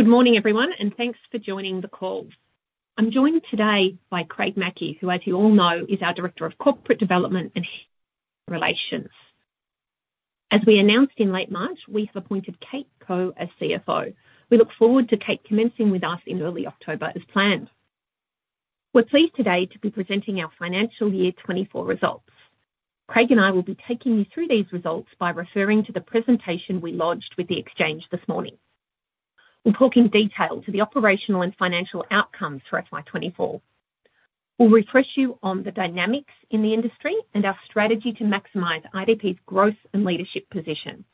Good morning, everyone, and thanks for joining the call. I'm joined today by Craig Mackey, who, as you all know, is our Director of Corporate Development and Relations. As we announced in late March, we have appointed Kate Coe as CFO. We look forward to Kate commencing with us in early October, as planned. We're pleased today to be presenting our financial year 2024 results. Craig and I will be taking you through these results by referring to the presentation we lodged with the exchange this morning. We'll talk in detail to the operational and financial outcomes for FY24. We'll refresh you on the dynamics in the industry and our strategy to maximize IDP's growth and leadership position.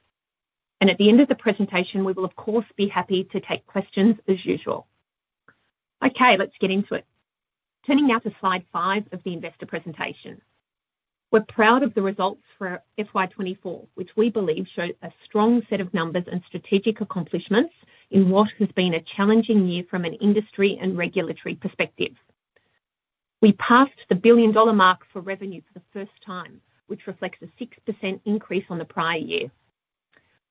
And at the end of the presentation, we will, of course, be happy to take questions as usual. Okay, let's get into it. Turning now to slide five of the investor presentation. We're proud of the results for FY24, which we believe show a strong set of numbers and strategic accomplishments in what has been a challenging year from an industry and regulatory perspective. We passed the 1 billion dollar mark for revenue for the first time, which reflects a 6% increase on the prior year.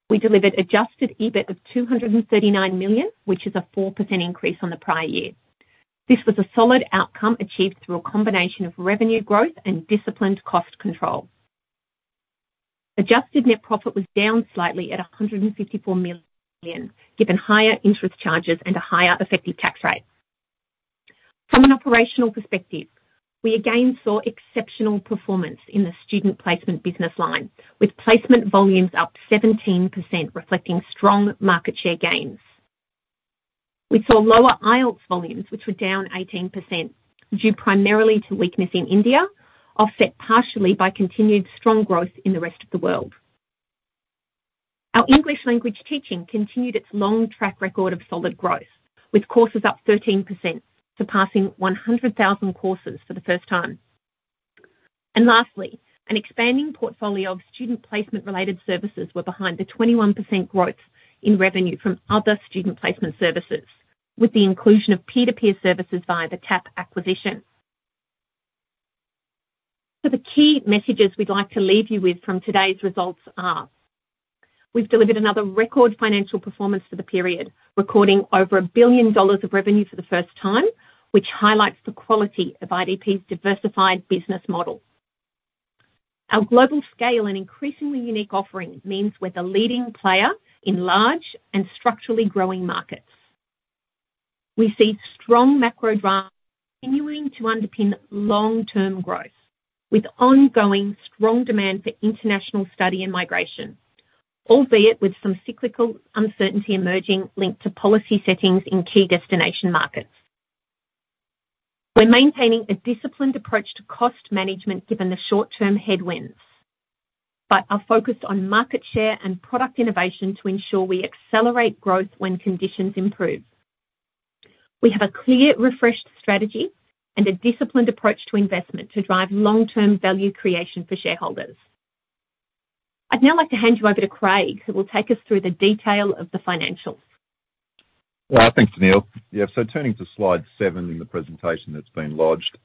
We delivered adjusted EBIT of 239 million, which is a 4% increase on the prior year. This was a solid outcome achieved through a combination of revenue growth and disciplined cost control. Adjusted net profit was down slightly at 154 million, given higher interest charges and a higher effective tax rate. From an operational perspective, we again saw exceptional performance in the student placement business line, with placement volumes up 17%, reflecting strong market share gains. We saw lower IELTS volumes, which were down 18%, due primarily to weakness in India, offset partially by continued strong growth in the rest of the world. Our English language teaching continued its long track record of solid growth, with courses up 13%, surpassing 100,000 courses for the first time. And lastly, an expanding portfolio of student placement-related services were behind the 21% growth in revenue from other student placement services, with the inclusion of peer-to-peer services via the TAP acquisition. So the key messages we'd like to leave you with from today's results are: We've delivered another record financial performance for the period, recording over 1 billion dollars of revenue for the first time, which highlights the quality of IDP's diversified business model. Our global scale and increasingly unique offerings means we're the leading player in large and structurally growing markets. We see strong macro drivers continuing to underpin long-term growth, with ongoing strong demand for international study and migration, albeit with some cyclical uncertainty emerging, linked to policy settings in key destination markets. We're maintaining a disciplined approach to cost management given the short-term headwinds, but are focused on market share and product innovation to ensure we accelerate growth when conditions improve. We have a clear, refreshed strategy and a disciplined approach to investment to drive long-term value creation for shareholders. I'd now like to hand you over to Craig, who will take us through the detail of the financials. Thanks, Tennealle. Yeah, so turning to slide 7 in the presentation that's been lodged.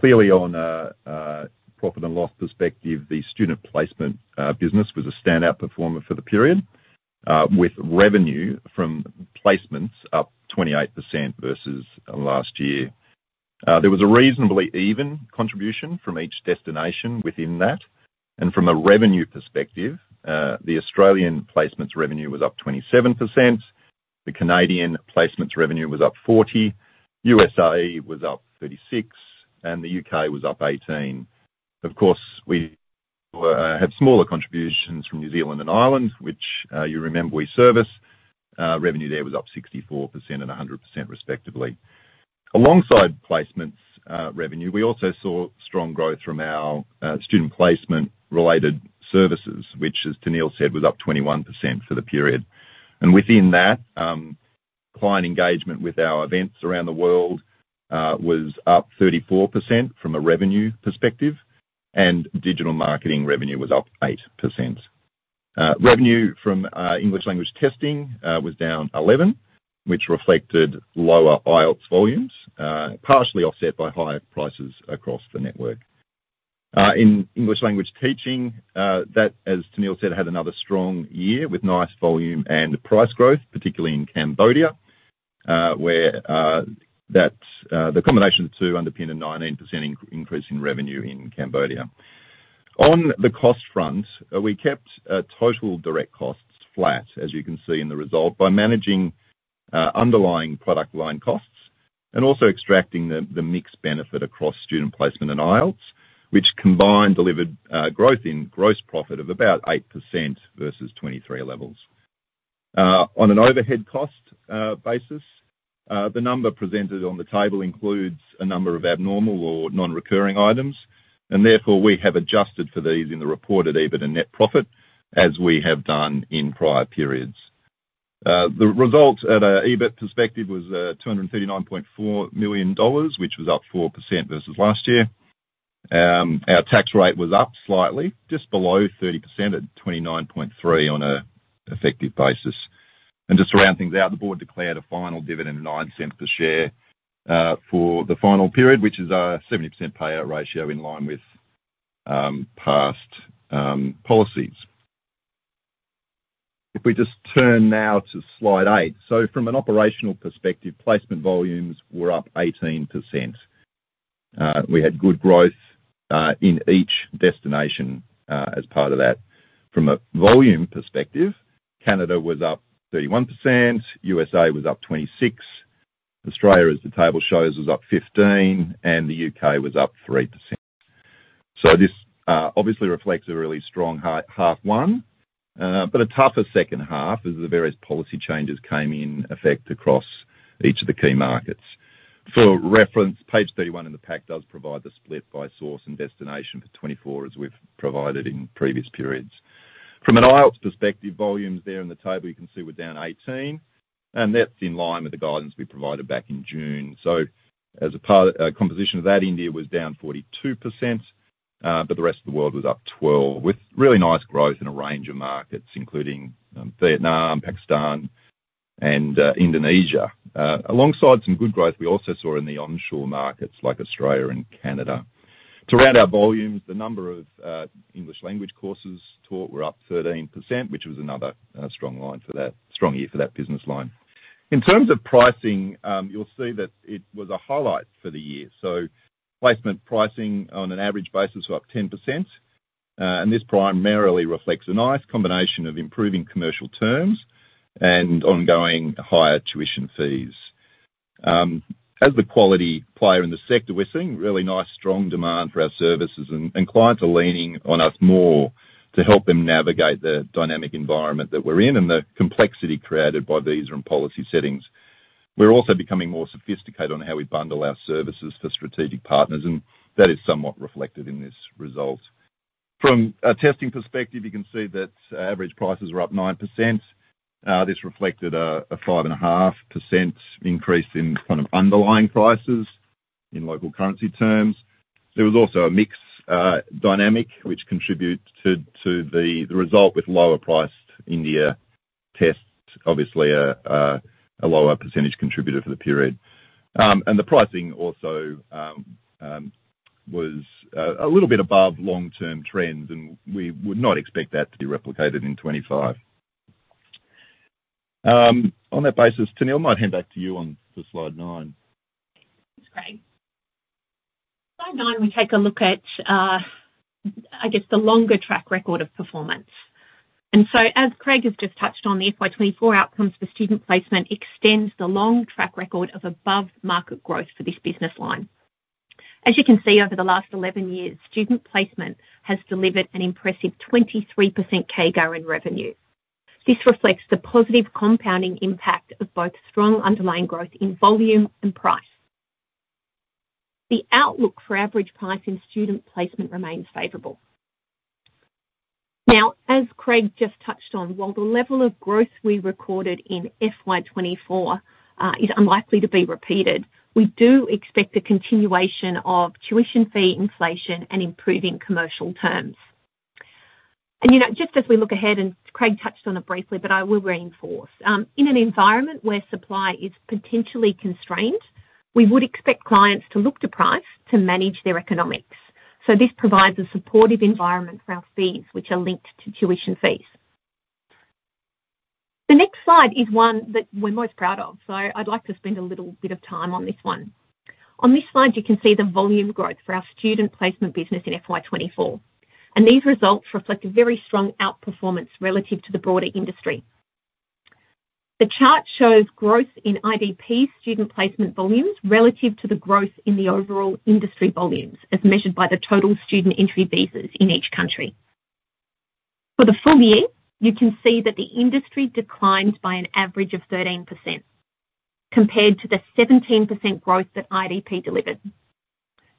Clearly on a profit and loss perspective, the student placement business was a standout performer for the period with revenue from placements up 28% versus last year. There was a reasonably even contribution from each destination within that, and from a revenue perspective, the Australian placements revenue was up 27%, the Canadian placements revenue was up 40%, USA was up 36%, and the UK was up 18%. Of course, we had smaller contributions from New Zealand and Ireland, which you remember, we service. Revenue there was up 64% and 100%, respectively. Alongside placements revenue, we also saw strong growth from our student placement-related services, which, as Tennealle said, was up 21% for the period. And within that, client engagement with our events around the world was up 34% from a revenue perspective, and digital marketing revenue was up 8%. Revenue from English language testing was down 11%, which reflected lower IELTS volumes, partially offset by higher prices across the network. In English language teaching, that, as Tennealle said, had another strong year, with nice volume and price growth, particularly in Cambodia, where the combination of the two underpinned a 19% increase in revenue in Cambodia. On the cost front, we kept total direct costs flat, as you can see in the result, by managing underlying product line costs and also extracting the mix benefit across student placement and IELTS, which combined delivered growth in gross profit of about 8% versus 2023 levels. On an overhead cost basis, the number presented on the table includes a number of abnormal or non-recurring items, and therefore, we have adjusted for these in the reported EBIT and net profit, as we have done in prior periods. The result at a EBIT perspective was 239.4 million dollars, which was up 4% versus last year. Our tax rate was up slightly, just below 30% at 29.3% on an effective basis. To round things out, the board declared a final dividend of 0.09 per share for the final period, which is a 70% payout ratio in line with policy, past policies. If we just turn now to slide 8. From an operational perspective, placement volumes were up 18%. We had good growth in each destination as part of that. From a volume perspective, Canada was up 31%, USA was up 26%. Australia, as the table shows, was up 15%, and the UK was up 3%. So this obviously reflects a really strong half one, but a tougher second half as the various policy changes came in effect across each of the key markets. For reference, Page 31 in the pack does provide the split by source and destination for 2024, as we've provided in previous periods. From an IELTS perspective, volumes there in the table, you can see, were down 18%, and that's in line with the guidance we provided back in June. So as a part composition of that, India was down 42%, but the rest of the world was up 12%, with really nice growth in a range of markets, including Vietnam, Pakistan, and Indonesia. Alongside some good growth, we also saw in the onshore markets like Australia and Canada. To round out volumes, the number of English language courses taught were up 13%, which was another strong year for that business line. In terms of pricing, you'll see that it was a highlight for the year. So placement pricing on an average basis was up 10%, and this primarily reflects a nice combination of improving commercial terms and ongoing higher tuition fees. As the quality player in the sector, we're seeing really nice, strong demand for our services, and clients are leaning on us more to help them navigate the dynamic environment that we're in and the complexity created by varying policy settings. We're also becoming more sophisticated on how we bundle our services for strategic partners, and that is somewhat reflected in this result. From a testing perspective, you can see that average prices are up 9%. This reflected a 5.5% increase in kind of underlying prices in local currency terms. There was also a mix dynamic, which contributed to the result, with lower priced India tests obviously a lower percentage contributor for the period. and the pricing also was a little bit above long-term trends, and we would not expect that to be replicated in 2025. On that basis, Tennealle, I might hand back to you on to slide 9. Thanks, Craig. Slide 9, we take a look at, I guess, the longer track record of performance, and so, as Craig has just touched on, the FY24 outcomes for student placement extends the long track record of above-market growth for this business line. As you can see, over the last 11 years, student placement has delivered an impressive 23% CAGR in revenue. This reflects the positive compounding impact of both strong underlying growth in volume and price. The outlook for average price in student placement remains favorable. Now, as Craig just touched on, while the level of growth we recorded in FY24 is unlikely to be repeated, we do expect a continuation of tuition fee inflation and improving commercial terms, and, you know, just as we look ahead, and Craig touched on it briefly, but I will reinforce. In an environment where supply is potentially constrained, we would expect clients to look to price to manage their economics. So this provides a supportive environment for our fees, which are linked to tuition fees. The next slide is one that we're most proud of, so I'd like to spend a little bit of time on this one. On this slide, you can see the volume growth for our student placement business in FY24, and these results reflect a very strong outperformance relative to the broader industry. The chart shows growth in IDP student placement volumes relative to the growth in the overall industry volumes, as measured by the total student entry visas in each country. For the full year, you can see that the industry declined by an average of 13% compared to the 17% growth that IDP delivered.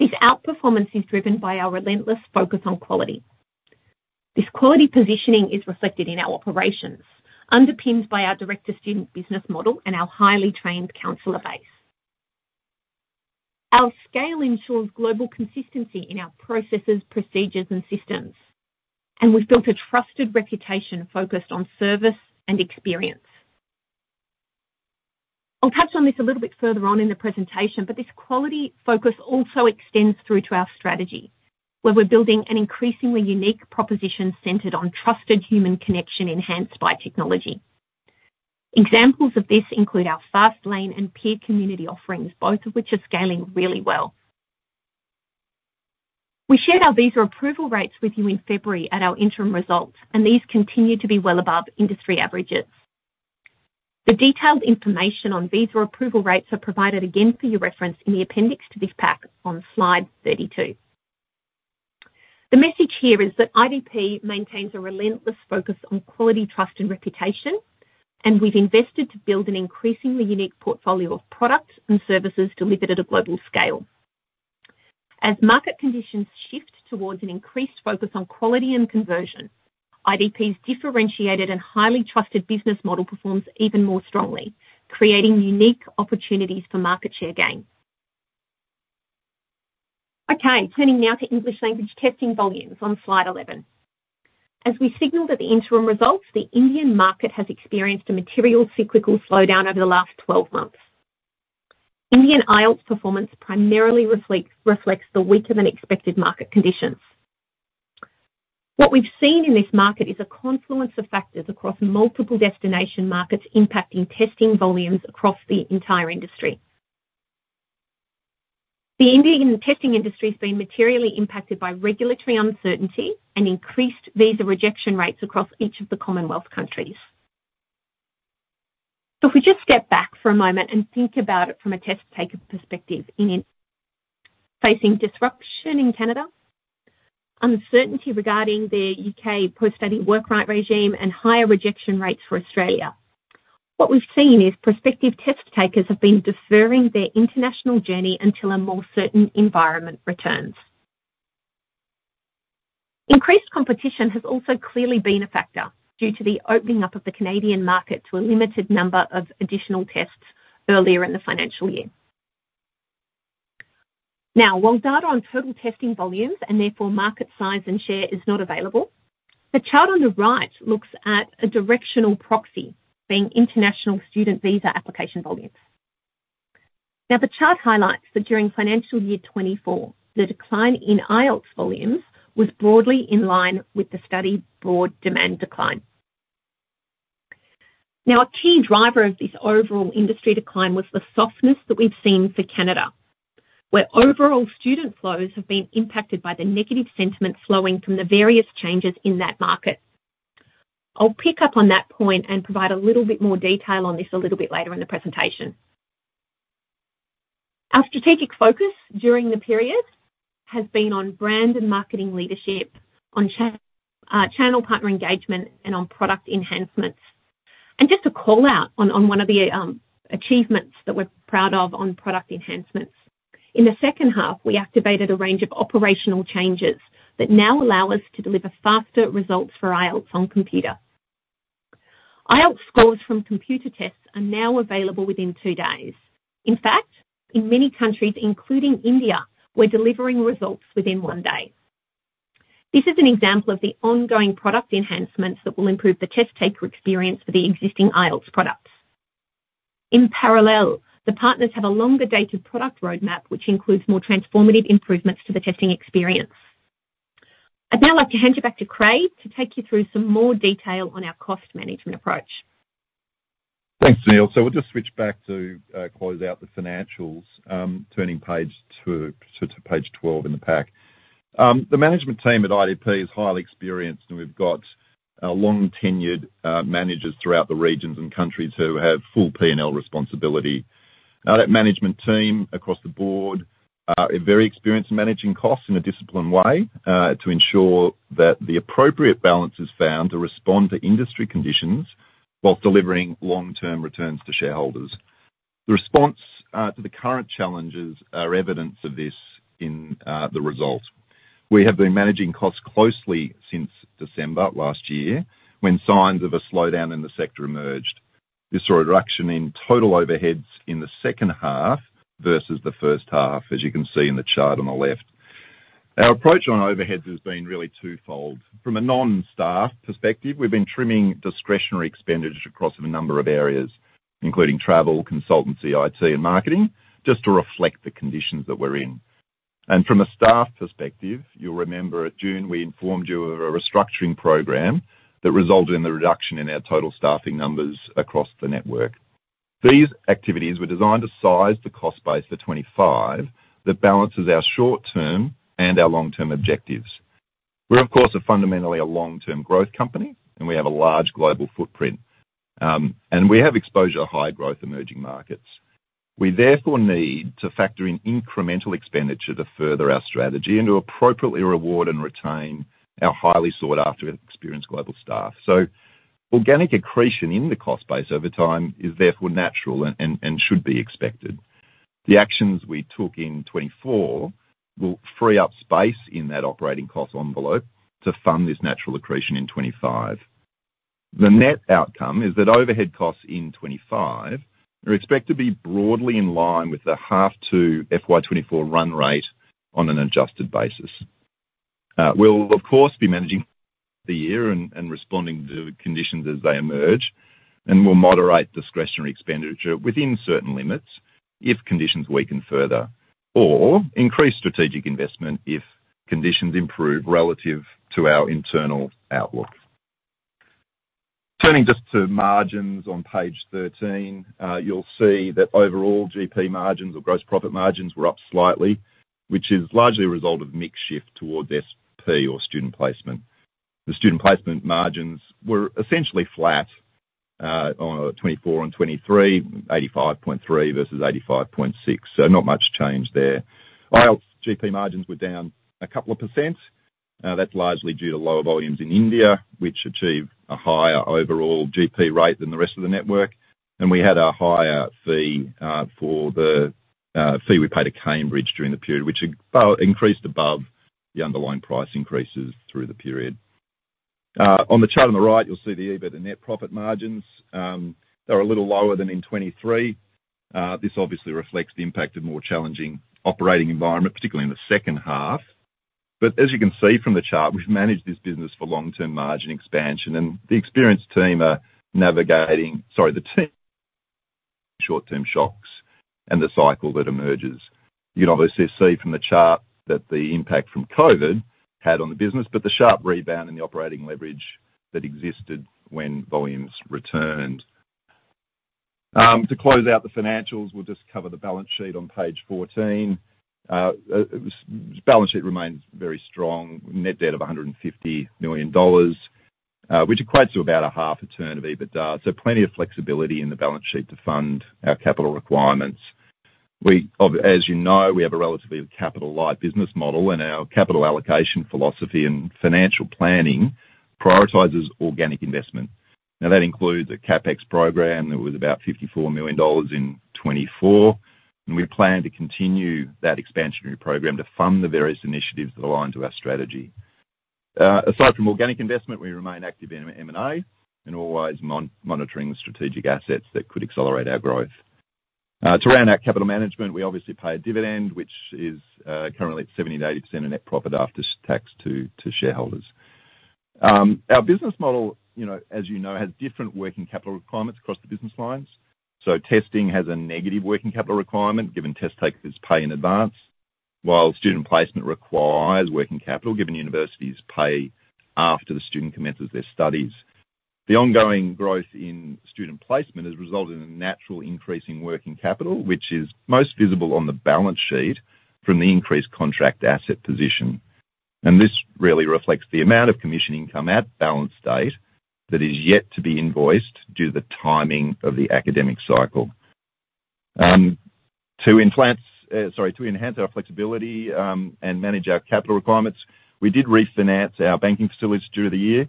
This outperformance is driven by our relentless focus on quality. This quality positioning is reflected in our operations, underpinned by our direct-to-student business model and our highly trained counselor base. Our scale ensures global consistency in our processes, procedures, and systems, and we've built a trusted reputation focused on service and experience. I'll touch on this a little bit further on in the presentation, but this quality focus also extends through to our strategy, where we're building an increasingly unique proposition centered on trusted human connection enhanced by technology. Examples of this include our FastLane and Peer Community offerings, both of which are scaling really well. We shared our visa approval rates with you in February at our interim results, and these continue to be well above industry averages. The detailed information on visa approval rates are provided again for your reference in the appendix to this pack on Slide 32. The message here is that IDP maintains a relentless focus on quality, trust, and reputation, and we've invested to build an increasingly unique portfolio of products and services delivered at a global scale. As market conditions shift towards an increased focus on quality and conversion, IDP's differentiated and highly trusted business model performs even more strongly, creating unique opportunities for market share gain. Okay, turning now to English language testing volumes on Slide 11. As we signaled at the interim results, the Indian market has experienced a material cyclical slowdown over the last twelve months. Indian IELTS performance primarily reflects the weaker than expected market conditions. What we've seen in this market is a confluence of factors across multiple destination markets, impacting testing volumes across the entire industry. The Indian testing industry has been materially impacted by regulatory uncertainty and increased visa rejection rates across each of the Commonwealth countries. So if we just step back for a moment and think about it from a test taker perspective, India, facing disruption in Canada, uncertainty regarding the UK post-study work right regime, and higher rejection rates for Australia. What we've seen is prospective test takers have been deferring their international journey until a more certain environment returns. Increased competition has also clearly been a factor due to the opening up of the Canadian market to a limited number of additional tests earlier in the financial year. Now, while data on total testing volumes and therefore market size and share is not available, the chart on the right looks at a directional proxy, being international student visa application volumes. Now, the chart highlights that during FY24, the decline in IELTS volumes was broadly in line with the study abroad demand decline. Now, a key driver of this overall industry decline was the softness that we've seen for Canada, where overall student flows have been impacted by the negative sentiment flowing from the various changes in that market. I'll pick up on that point and provide a little bit more detail on this a little bit later in the presentation. Our strategic focus during the period has been on brand and marketing leadership, on channel partner engagement, and on product enhancements. Just to call out on one of the achievements that we're proud of on product enhancements. In the second half, we activated a range of operational changes that now allow us to deliver faster results for IELTS on Computer. IELTS scores from computer tests are now available within two days. In fact, in many countries, including India, we're delivering results within one day. This is an example of the ongoing product enhancements that will improve the test taker experience for the existing IELTS products. In parallel, the partners have a longer dated product roadmap, which includes more transformative improvements to the testing experience. I'd now like to hand you back to Craig to take you through some more detail on our cost management approach. Thanks, Neil. So we'll just switch back to close out the financials. Turning page to Page 12 in the pack. The management team at IDP is highly experienced, and we've got long-tenured managers throughout the regions and countries who have full P&L responsibility. Now, that management team across the board are very experienced in managing costs in a disciplined way to ensure that the appropriate balance is found to respond to industry conditions while delivering long-term returns to shareholders. The response to the current challenges are evidence of this in the results. We have been managing costs closely since December last year, when signs of a slowdown in the sector emerged. This saw a reduction in total overheads in the second half versus the first half, as you can see in the chart on the left. Our approach on overheads has been really twofold. From a non-staff perspective, we've been trimming discretionary expenditure across a number of areas, including travel, consultancy, IT, and marketing, just to reflect the conditions that we're in. And from a staff perspective, you'll remember at June, we informed you of a restructuring program that resulted in the reduction in our total staffing numbers across the network. These activities were designed to size the cost base for 2025, that balances our short-term and our long-term objectives. We're, of course, fundamentally a long-term growth company, and we have a large global footprint, and we have exposure to high growth emerging markets. We therefore need to factor in incremental expenditure to further our strategy and to appropriately reward and retain our highly sought after experienced global staff. Organic accretion in the cost base over time is therefore natural and should be expected. The actions we took in 2024 will free up space in that operating cost envelope to fund this natural accretion in 2025. The net outcome is that overhead costs in 2025 are expected to be broadly in line with the H2 FY 2024 run rate on an adjusted basis. We'll of course be managing the year and responding to conditions as they emerge, and we'll moderate discretionary expenditure within certain limits if conditions weaken further, or increase strategic investment if conditions improve relative to our internal outlook. Turning just to margins on Page 13, you'll see that overall GP margins or gross profit margins were up slightly, which is largely a result of mix shift towards SP or student placement. The student placement margins were essentially flat on 2024 and 2023, 85.3% versus 85.6%, so not much change there. IELTS GP margins were down a couple of percent. That's largely due to lower volumes in India, which achieved a higher overall GP rate than the rest of the network, and we had a higher fee for the fee we paid to Cambridge during the period, which about increased above the underlying price increases through the period. On the chart on the right, you'll see the EBIT and net profit margins. They're a little lower than in 2023. This obviously reflects the impact of more challenging operating environment, particularly in the second half. But as you can see from the chart, we've managed this business for long-term margin expansion, and the experienced team are navigating the short-term shocks and the cycle that emerges. You can obviously see from the chart that the impact from COVID-19 had on the business, but the sharp rebound in the operating leverage that existed when volumes returned. To close out the financials, we'll just cover the balance sheet on Page 14. The balance sheet remains very strong. Net debt of 150 million dollars, which equates to about 0.5 turns of EBITDA. So plenty of flexibility in the balance sheet to fund our capital requirements. As you know, we have a relatively capital-light business model, and our capital allocation, philosophy, and financial planning prioritizes organic investment. Now, that includes a CapEx program that was about 54 million dollars in 2024, and we plan to continue that expansionary program to fund the various initiatives that align to our strategy. Aside from organic investment, we remain active in M&A and always monitoring the strategic assets that could accelerate our growth. To round our capital management, we obviously pay a dividend, which is currently at 70%-80% of net profit after tax to shareholders. Our business model, you know, as you know, has different working capital requirements across the business lines, so testing has a negative working capital requirement, given test takers pay in advance, while student placement requires working capital, given universities pay after the student commences their studies. The ongoing growth in student placement has resulted in a natural increase in working capital, which is most visible on the balance sheet from the increased contract asset position. This really reflects the amount of commission income at balance date that is yet to be invoiced due to the timing of the academic cycle. To enhance our flexibility and manage our capital requirements, we did refinance our banking facilities through the year.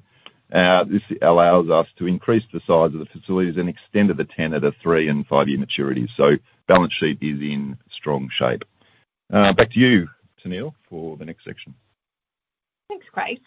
This allows us to increase the size of the facilities and extend the tenor to three and five-year maturities. Balance sheet is in strong shape. Back to you, Tennealle, for the next section. Thanks, Craig.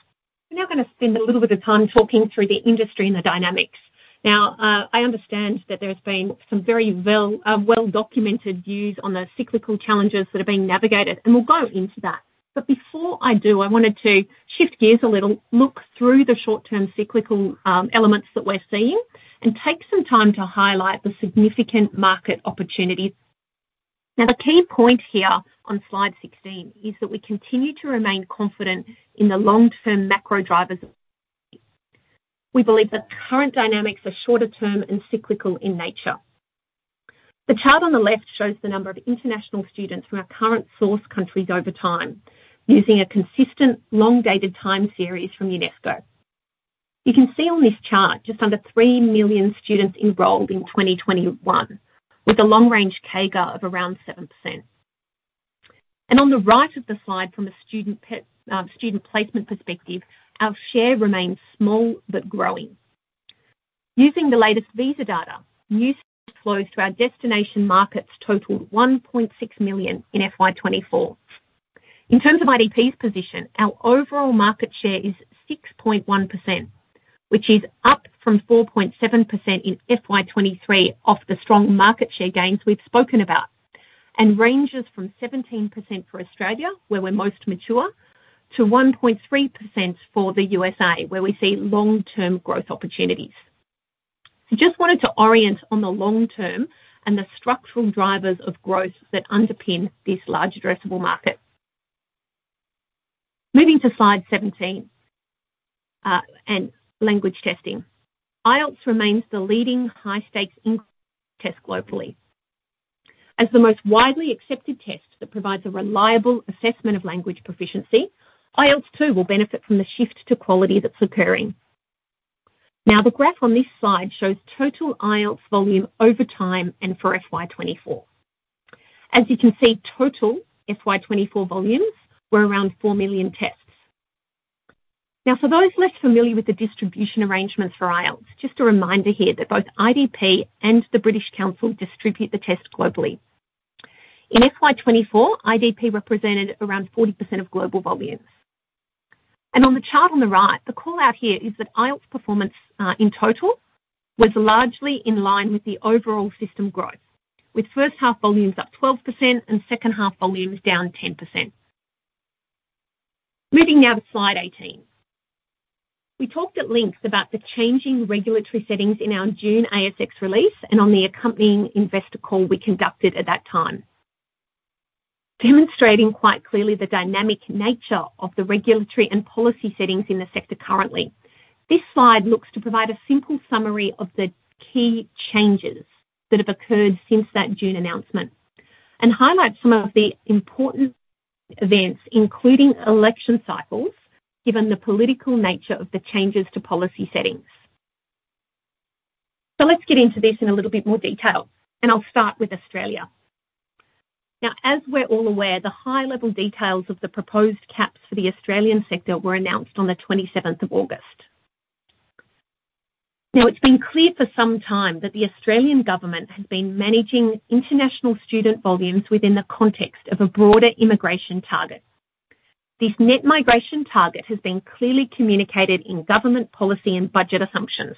We're now going to spend a little bit of time talking through the industry and the dynamics. Now, I understand that there's been some very well-documented views on the cyclical challenges that are being navigated, and we'll go into that. But before I do, I wanted to shift gears a little, look through the short-term cyclical elements that we're seeing, and take some time to highlight the significant market opportunities. Now, the key point here on slide 16 is that we continue to remain confident in the long-term macro drivers. We believe that current dynamics are shorter term and cyclical in nature. The chart on the left shows the number of international students from our current source countries over time, using a consistent, long-dated time series from UNESCO. You can see on this chart, just under 3 million students enrolled in 2021, with a long range CAGR of around 7%. And on the right of the slide, from a student placement perspective, our share remains small but growing. Using the latest visa data, new flows to our destination markets totaled 1.6 million in FY24. In terms of IDP's position, our overall market share is 6.1%, which is up from 4.7% in FY23, off the strong market share gains we've spoken about, and ranges from 17% for Australia, where we're most mature, to 1.3% for the USA, where we see long-term growth opportunities. So just wanted to orient on the long term and the structural drivers of growth that underpin this large addressable market. Moving to slide 17, and language testing. IELTS remains the leading high-stakes English test globally. As the most widely accepted test that provides a reliable assessment of language proficiency, IELTS, too, will benefit from the shift to quality that's occurring. Now, the graph on this slide shows total IELTS volume over time and for FY24. As you can see, total FY24 volumes were around 4 million tests. Now, for those less familiar with the distribution arrangements for IELTS, just a reminder here that both IDP and the British Council distribute the test globally. In FY24, IDP represented around 40% of global volume, and on the chart on the right, the call-out here is that IELTS performance, in total, was largely in line with the overall system growth, with first half volumes up 12% and second half volumes down 10%. Moving now to slide eighteen. We talked at length about the changing regulatory settings in our June ASX release and on the accompanying investor call we conducted at that time, demonstrating quite clearly the dynamic nature of the regulatory and policy settings in the sector currently. This slide looks to provide a simple summary of the key changes that have occurred since that June announcement and highlight some of the important events, including election cycles, given the political nature of the changes to policy settings. So let's get into this in a little bit more detail, and I'll start with Australia. Now, as we're all aware, the high-level details of the proposed caps for the Australian sector were announced on August 27. Now, it's been clear for some time that the Australian government has been managing international student volumes within the context of a broader immigration target. This net migration target has been clearly communicated in government policy and budget assumptions.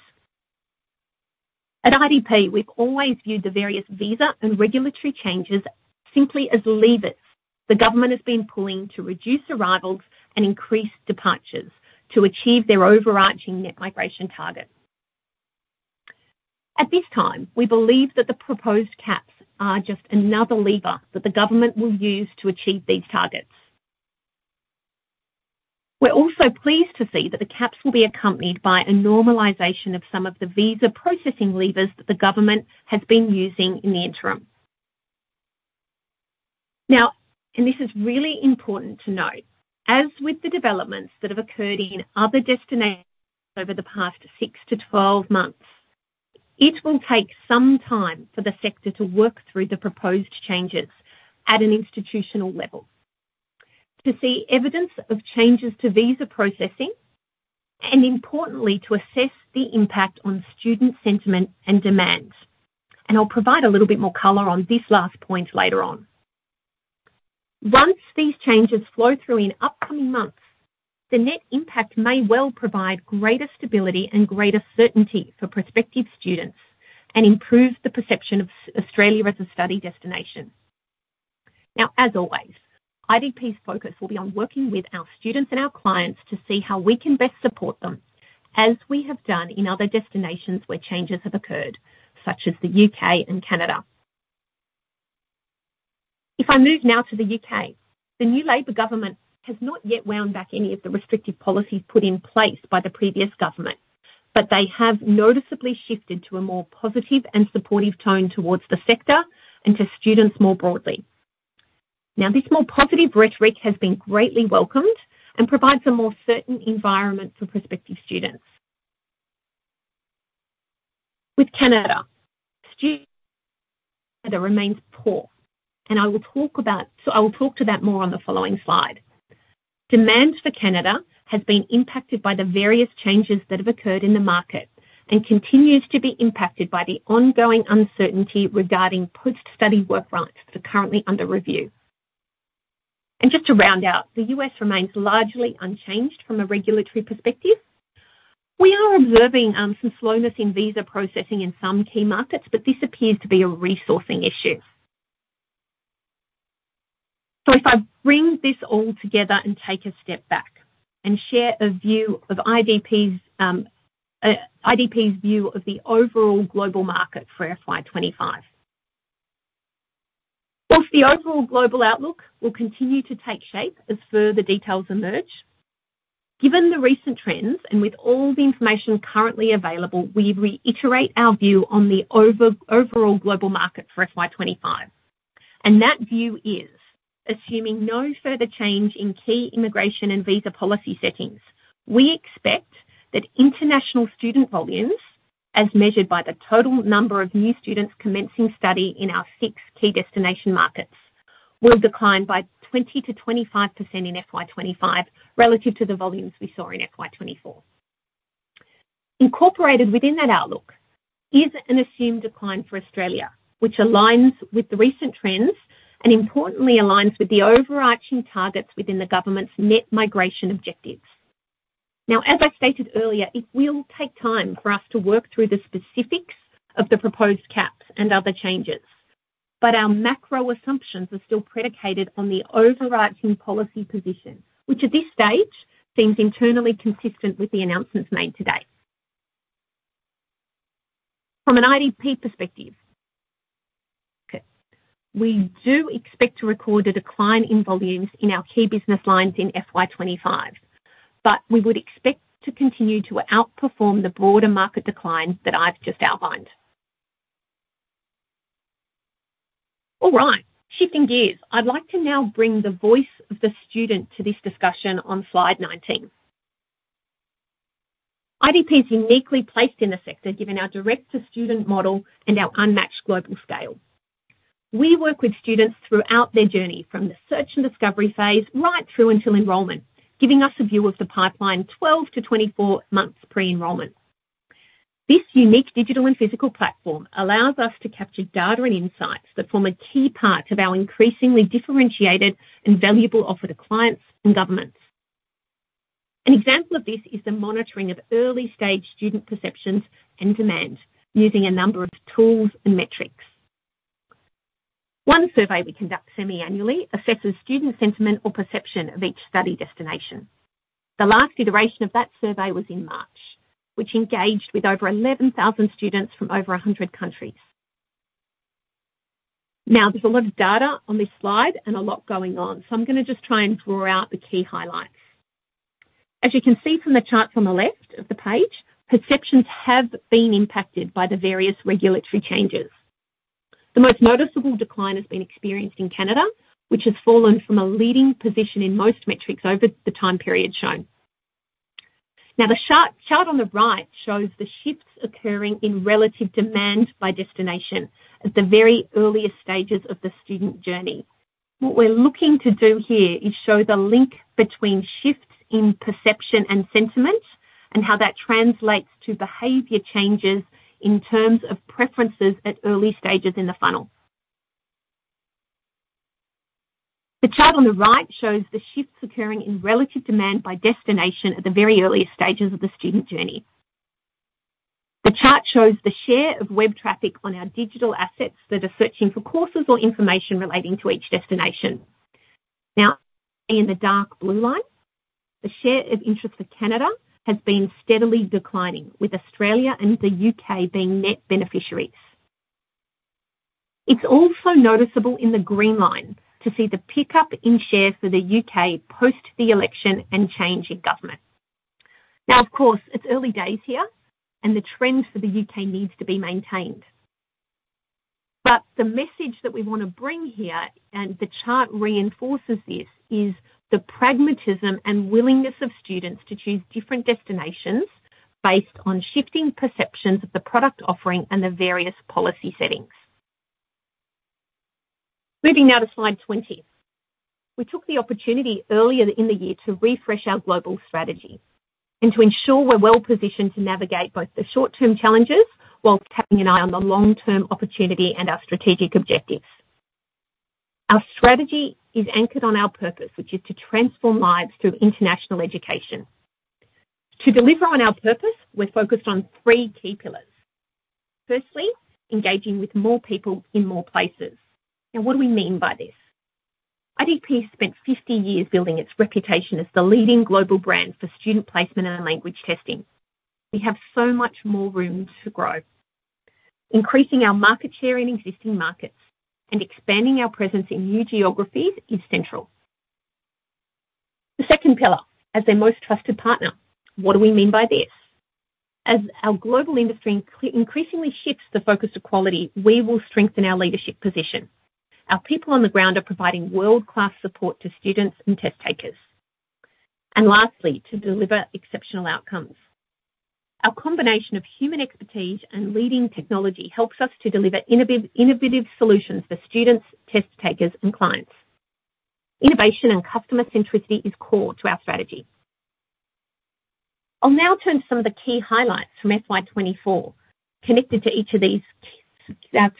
At IDP, we've always viewed the various visa and regulatory changes simply as levers the government has been pulling to reduce arrivals and increase departures to achieve their overarching net migration target. At this time, we believe that the proposed caps are just another lever that the government will use to achieve these targets. We're also pleased to see that the caps will be accompanied by a normalization of some of the visa processing levers that the government has been using in the interim. Now, and this is really important to note, as with the developments that have occurred in other destinations over the past 6 to 12 months, it will take some time for the sector to work through the proposed changes at an institutional level, to see evidence of changes to visa processing, and importantly, to assess the impact on student sentiment and demand. And I'll provide a little bit more color on this last point later on. Once these changes flow through in upcoming months, the net impact may well provide greater stability and greater certainty for prospective students and improve the perception of Australia as a study destination. Now, as always, IDP's focus will be on working with our students and our clients to see how we can best support them, as we have done in other destinations where changes have occurred, such as the UK and Canada. If I move now to the UK, the new Labour government has not yet wound back any of the restrictive policies put in place by the previous government, but they have noticeably shifted to a more positive and supportive tone towards the sector and to students more broadly. Now, this more positive rhetoric has been greatly welcomed and provides a more certain environment for prospective students. With Canada, sentiment remains poor, and I will talk to that more on the following slide. Demand for Canada has been impacted by the various changes that have occurred in the market and continues to be impacted by the ongoing uncertainty regarding post-study work rights that are currently under review. Just to round out, the U.S. remains largely unchanged from a regulatory perspective. We are observing some slowness in visa processing in some key markets, but this appears to be a resourcing issue. So if I bring this all together and take a step back and share a view of IDP's view of the overall global market for FY25. The overall global outlook will continue to take shape as further details emerge. Given the recent trends, and with all the information currently available, we reiterate our view on the overall global market for FY25, and that view is, assuming no further change in key immigration and visa policy settings, we expect that international student volumes, as measured by the total number of new students commencing study in our six key destination markets, will decline by 20%-25% in FY 24 relative to the volumes we saw in FY twenty-four. Incorporated within that outlook is an assumed decline for Australia, which aligns with the recent trends and importantly, aligns with the overarching targets within the government's net migration objectives. Now, as I stated earlier, it will take time for us to work through the specifics of the proposed caps and other changes, but our macro assumptions are still predicated on the overarching policy position, which at this stage seems internally consistent with the announcements made today. From an IDP perspective, we do expect to record a decline in volumes in our key business lines in FY25, but we would expect to continue to outperform the broader market decline that I've just outlined. All right, shifting gears. I'd like to now bring the voice of the student to this discussion on Slide 19. IDP is uniquely placed in the sector, given our direct-to-student model and our unmatched global scale. We work with students throughout their journey, from the search and discovery phase, right through until enrollment, giving us a view of the pipeline 12 to 24 months pre-enrollment. This unique digital and physical platform allows us to capture data and insights that form a key part of our increasingly differentiated and valuable offer to clients and governments. An example of this is the monitoring of early-stage student perceptions and demand using a number of tools and metrics. One survey we conduct semiannually assesses student sentiment or perception of each study destination. The last iteration of that survey was in March, which engaged with over 11,000 students from over a hundred countries. Now, there's a lot of data on this slide and a lot going on, so I'm going to just try and draw out the key highlights. As you can see from the chart on the left of the page, perceptions have been impacted by the various regulatory changes. The most noticeable decline has been experienced in Canada, which has fallen from a leading position in most metrics over the time period shown. Now, the chart on the right shows the shifts occurring in relative demand by destination at the very earliest stages of the student journey. What we're looking to do here is show the link between shifts in perception and sentiment, and how that translates to behavior changes in terms of preferences at early stages in the funnel. The chart shows the share of web traffic on our digital assets that are searching for courses or information relating to each destination. Now, in the dark blue line, the share of interest for Canada has been steadily declining, with Australia and the UK being net beneficiaries. It's also noticeable in the green line to see the pickup in share for the UK post the election and change in government. Now, of course, it's early days here, and the trend for the UK needs to be maintained. But the message that we want to bring here, and the chart reinforces this, is the pragmatism and willingness of students to choose different destinations based on shifting perceptions of the product offering and the various policy settings. Moving now to Slide 20. We took the opportunity earlier in the year to refresh our global strategy and to ensure we're well positioned to navigate both the short-term challenges while keeping an eye on the long-term opportunity and our strategic objectives. Our strategy is anchored on our purpose, which is to transform lives through international education. To deliver on our purpose, we're focused on three key pillars. First, engaging with more people in more places. Now, what do we mean by this? IDP spent 50 years building its reputation as the leading global brand for student placement and language testing. We have so much more room to grow. Increasing our market share in existing markets and expanding our presence in new geographies is central. The second pillar, as their most trusted partner. What do we mean by this? As our global industry increasingly shifts the focus to quality, we will strengthen our leadership position. Our people on the ground are providing world-class support to students and test takers. Lastly, to deliver exceptional outcomes. Our combination of human expertise and leading technology helps us to deliver innovative solutions for students, test takers, and clients. Innovation and customer centricity is core to our strategy. I'll now turn to some of the key highlights from FY24 connected to each of these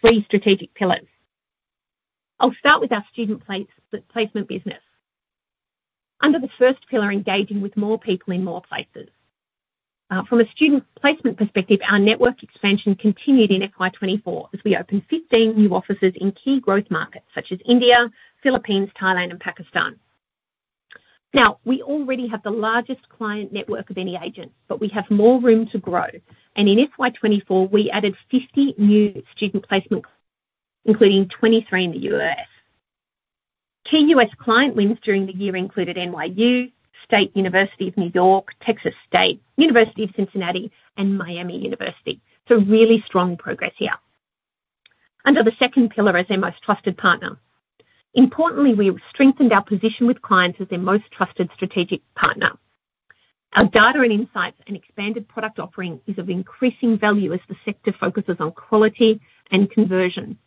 three strategic pillars. I'll start with our student placement business. Under the first pillar, engaging with more people in more places. From a student placement perspective, our network expansion continued in FY24 as we opened 15 new offices in key growth markets such as India, Philippines, Thailand, and Pakistan. Now, we already have the largest client network of any agent, but we have more room to grow, and in FY24, we added 50 new student placements, including 23 in the U.S. Key U.S. client wins during the year included NYU, State University of New York, Texas State, University of Cincinnati, and Miami University, so really strong progress here. Under the second pillar, as their most trusted partner. Importantly, we've strengthened our position with clients as their most trusted strategic partner. Our data and insights and expanded product offering is of increasing value as the sector focuses on quality and conversion,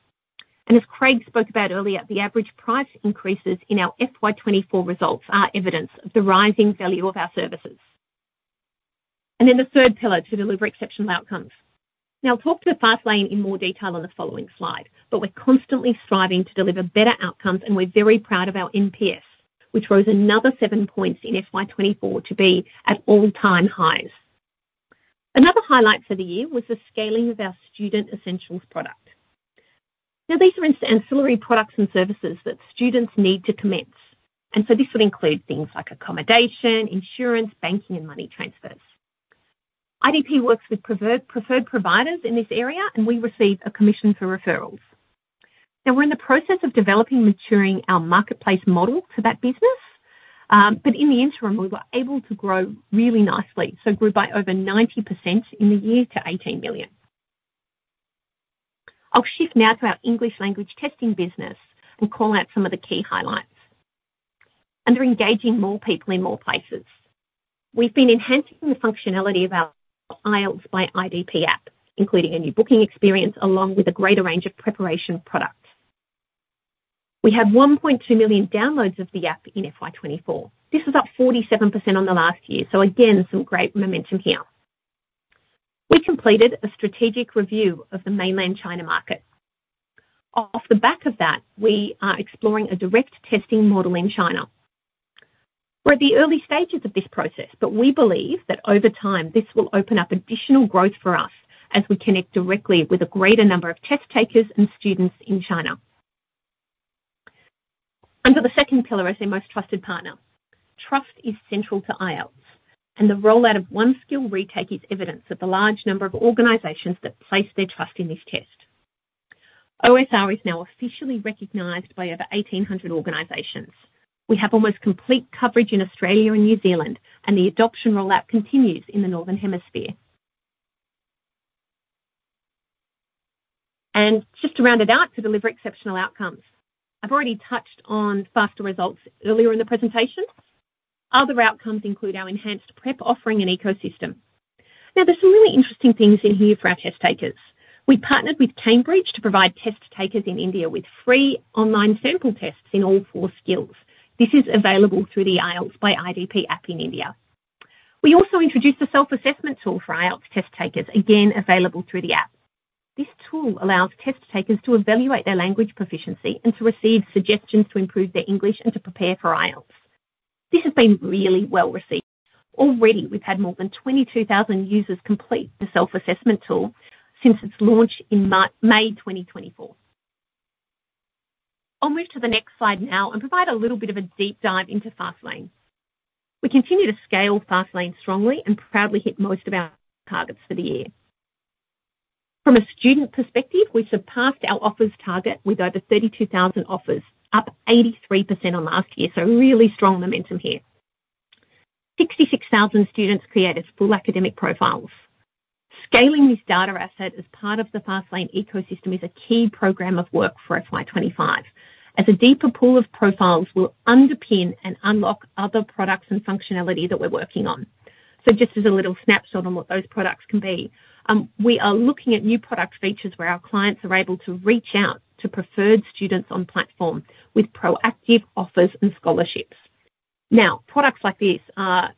and as Craig spoke about earlier, the average price increases in our FY24 results are evidence of the rising value of our services, and then the third pillar, to deliver exceptional outcomes. Now I'll talk to the FastLane in more detail on the following slide, but we're constantly striving to deliver better outcomes, and we're very proud of our NPS, which rose another 7 points in FY24 to be at all-time highs. Another highlight for the year was the scaling of our Student Essentials product. Now, these are ancillary products and services that students need to commence, and so this would include things like accommodation, insurance, banking, and money transfers. IDP works with preferred providers in this area, and we receive a commission for referrals. Now, we're in the process of developing and maturing our marketplace model for that business, but in the interim, we were able to grow really nicely, so grew by over 90% in the year to 18 million. I'll shift now to our English language testing business and call out some of the key highlights. Under engaging more people in more places, we've been enhancing the functionality of our IELTS by IDP app, including a new booking experience, along with a greater range of preparation products. We had 1.2 million downloads of the app in FY24. This is up 47% on the last year, so again, some great momentum here. We completed a strategic review of the mainland China market. Off the back of that, we are exploring a direct testing model in China. We're at the early stages of this process, but we believe that over time, this will open up additional growth for us as we connect directly with a greater number of test takers and students in China. Under the second pillar, as their most trusted partner, trust is central to IELTS, and the rollout of One Skill Retake is evidence of the large number of organizations that place their trust in this test. OSR is now officially recognized by over 1,800 organizations. We have almost complete coverage in Australia and New Zealand, and the adoption rollout continues in the Northern Hemisphere. And just to round it out, to deliver exceptional outcomes. I've already touched on faster results earlier in the presentation. Other outcomes include our enhanced prep offering and ecosystem. Now, there's some really interesting things in here for our test takers. We partnered with Cambridge to provide test takers in India with free online sample tests in all four skills. This is available through the IELTS by IDP app in India. We also introduced a self-assessment tool for IELTS test takers, again, available through the app. This tool allows test takers to evaluate their language proficiency and to receive suggestions to improve their English and to prepare for IELTS. This has been really well received. Already, we've had more than 22,000 users complete the self-assessment tool since its launch in May 2024. I'll move to the next slide now and provide a little bit of a deep dive into FastLane. We continue to scale FastLane strongly and proudly hit most of our targets for the year. From a student perspective, we surpassed our offers target with over 32,000 offers, up 83% on last year, so really strong momentum here. 66,000 students created full academic profiles. Scaling this data asset as part of the FastLane ecosystem is a key program of work for FY25, as a deeper pool of profiles will underpin and unlock other products and functionality that we're working on. So just as a little snapshot on what those products can be, we are looking at new product features where our clients are able to reach out to preferred students on platform with proactive offers and scholarships. Now, products like this are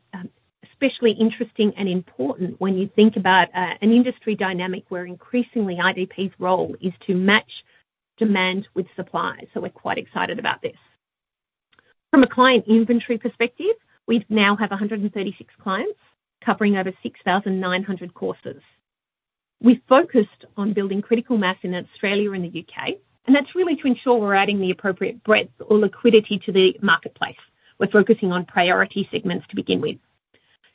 especially interesting and important when you think about an industry dynamic where increasingly IDP's role is to match demand with supply. So we're quite excited about this. From a client inventory perspective, we now have 136 clients covering over 6,900 courses. We focused on building critical mass in Australia and the UK, and that's really to ensure we're adding the appropriate breadth or liquidity to the marketplace. We're focusing on priority segments to begin with.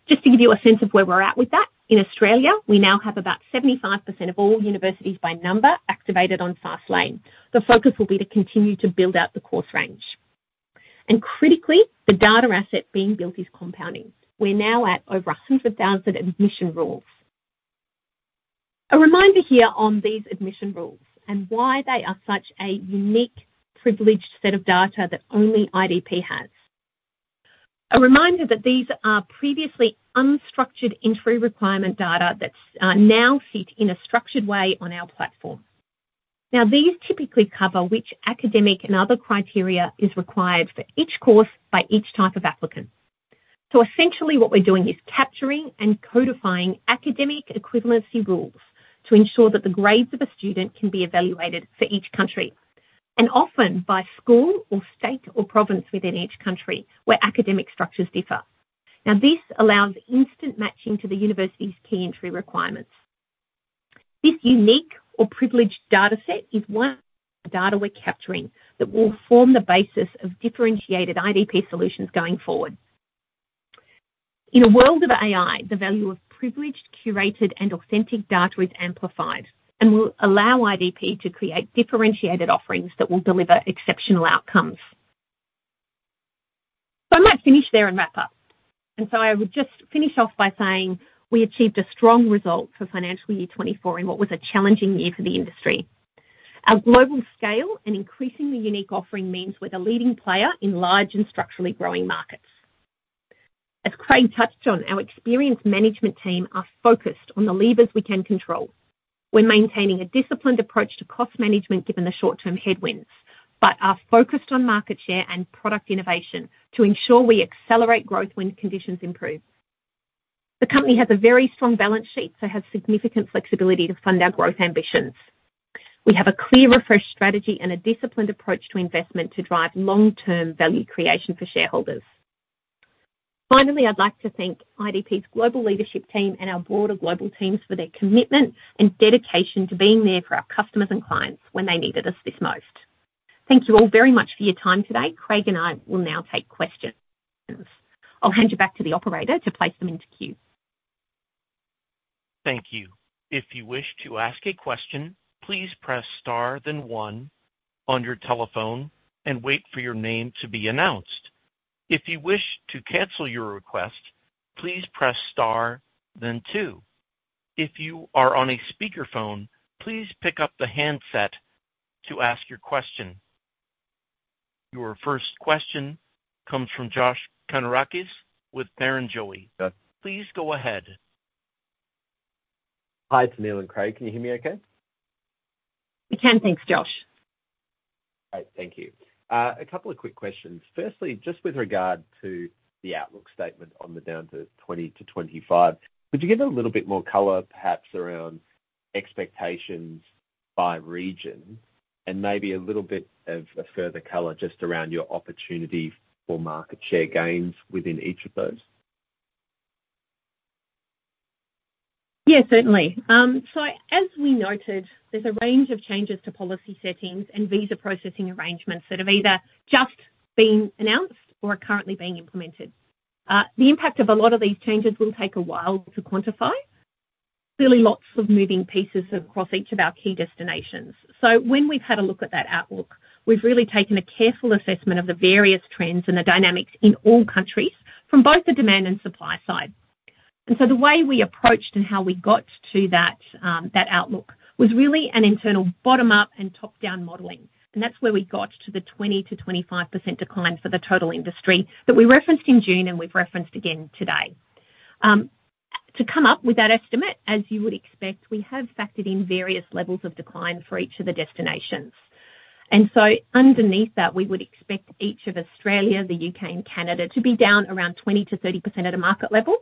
Just to give you a sense of where we're at with that, in Australia, we now have about 75% of all universities by number activated on FastLane. The focus will be to continue to build out the course range. And critically, the data asset being built is compounding. We're now at over 100,000 admission rules. A reminder here on these admission rules and why they are such a unique, privileged set of data that only IDP has. A reminder that these are previously unstructured entry requirement data that now sit in a structured way on our platform. Now, these typically cover which academic and other criteria is required for each course by each type of applicant. So essentially, what we're doing is capturing and codifying academic equivalency rules to ensure that the grades of a student can be evaluated for each country, and often by school or state or province within each country, where academic structures differ. Now, this allows instant matching to the university's key entry requirements. This unique or privileged data set is one data we're capturing that will form the basis of differentiated IDP solutions going forward. In a world of AI, the value of privileged, curated, and authentic data is amplified and will allow IDP to create differentiated offerings that will deliver exceptional outcomes. So I might finish there and wrap up. And so I would just finish off by saying we achieved a strong result for financial year 2024 in what was a challenging year for the industry. Our global scale and increasingly unique offering means we're the leading player in large and structurally growing markets. As Craig touched on, our experienced management team are focused on the levers we can control. We're maintaining a disciplined approach to cost management, given the short-term headwinds, but are focused on market share and product innovation to ensure we accelerate growth when conditions improve. The company has a very strong balance sheet, so has significant flexibility to fund our growth ambitions. We have a clear, refreshed strategy and a disciplined approach to investment to drive long-term value creation for shareholders. Finally, I'd like to thank IDP's global leadership team and our broader global teams for their commitment and dedication to being there for our customers and clients when they needed us the most. Thank you all very much for your time today. Craig and I will now take questions. I'll hand you back to the operator to place them into queue. Thank you. If you wish to ask a question, please press *1 on your telephone and wait for your name to be announced. If you wish to cancel your request, please press *2. If you are on a speakerphone, please pick up the handset to ask your question. Your first question comes from Josh Kannourakis with Barrenjoey. Please go ahead. Hi, Tennealle and Craig. Can you hear me okay? We can. Thanks, Josh. Great. Thank you. A couple of quick questions. Firstly, just with regard to the outlook statement on the down to 20% to 25%, could you give a little bit more color, perhaps around expectations by region and maybe a little bit of a further color just around your opportunity for market share gains within each of those? Yeah, certainly. So as we noted, there's a range of changes to policy settings and visa processing arrangements that have either just been announced or are currently being implemented. The impact of a lot of these changes will take a while to quantify. Clearly, lots of moving pieces across each of our key destinations. So when we've had a look at that outlook, we've really taken a careful assessment of the various trends and the dynamics in all countries from both the demand and supply side. And so the way we approached and how we got to that outlook was really an internal bottom-up and top-down modeling, and that's where we got to the 20%-25% decline for the total industry that we referenced in June and we've referenced again today. To come up with that estimate, as you would expect, we have factored in various levels of decline for each of the destinations, and so underneath that, we would expect each of Australia, the UK, and Canada to be down around 20%-30% at a market level,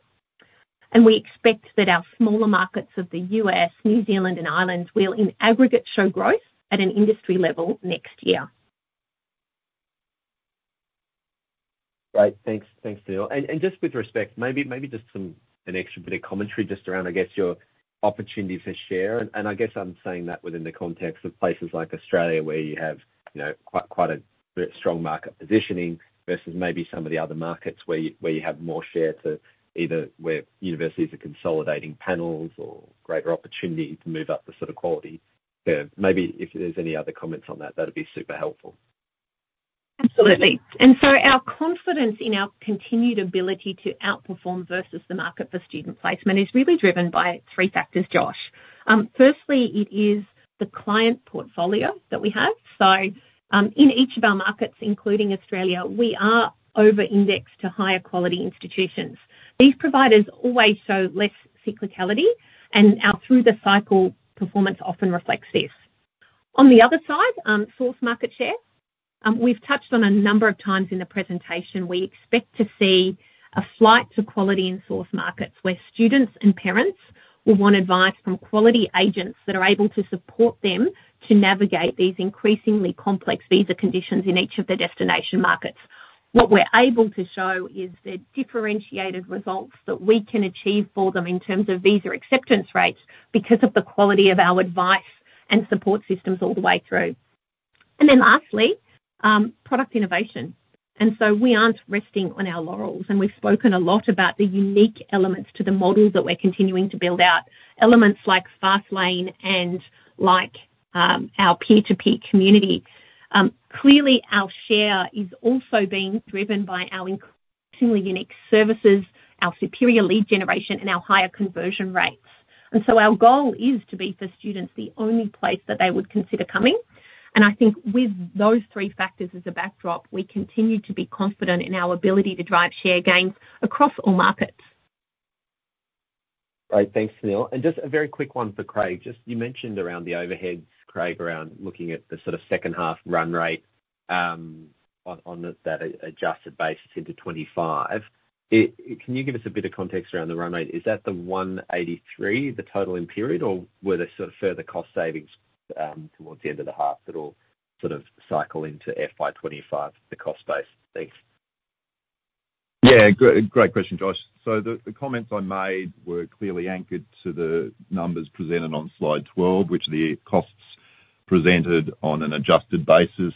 and we expect that our smaller markets of the U.S., New Zealand, and Ireland will, in aggregate, show growth at an industry level next year. Great. Thanks. Thanks, Tennealle. And just with respect, maybe just some an extra bit of commentary just around, I guess, your opportunity for share. And I guess I'm saying that within the context of places like Australia, where you have, you know, quite a bit strong market positioning versus maybe some of the other markets where you have more share to either where universities are consolidating panels or greater opportunity to move up the sort of quality there. Maybe if there's any other comments on that, that'd be super helpful. Absolutely, and so our confidence in our continued ability to outperform versus the market for student placement is really driven by three factors, Josh. Firstly, it is the client portfolio that we have. So, in each of our markets, including Australia, we are over-indexed to higher quality institutions. These providers always show less cyclicality, and our through the cycle performance often reflects this. On the other side, source market share. We've touched on a number of times in the presentation, we expect to see a flight to quality and source markets, where students and parents will want advice from quality agents that are able to support them to navigate these increasingly complex visa conditions in each of the destination markets. What we're able to show is the differentiated results that we can achieve for them in terms of visa acceptance rates, because of the quality of our advice and support systems all the way through. Then lastly, product innovation. So we aren't resting on our laurels, and we've spoken a lot about the unique elements to the model that we're continuing to build out. Elements like FastLane and like, our peer-to-peer community. Clearly, our share is also being driven by our incredibly unique services, our superior lead generation, and our higher conversion rates. So our goal is to be, for students, the only place that they would consider coming. I think with those three factors as a backdrop, we continue to be confident in our ability to drive share gains across all markets. Great, thanks, Tennealle. And just a very quick one for Craig. Just you mentioned around the overheads, Craig, around looking at the sort of second half run rate, on that adjusted basis into 2025. Can you give us a bit of context around the run rate? Is that the 183, the total in period, or were there sort of further cost savings, towards the end of the half that all sort of cycle into FY25, the cost base? Thanks. Yeah, great, great question, Josh. So the comments I made were clearly anchored to the numbers presented on Slide 12, which the costs presented on an adjusted basis,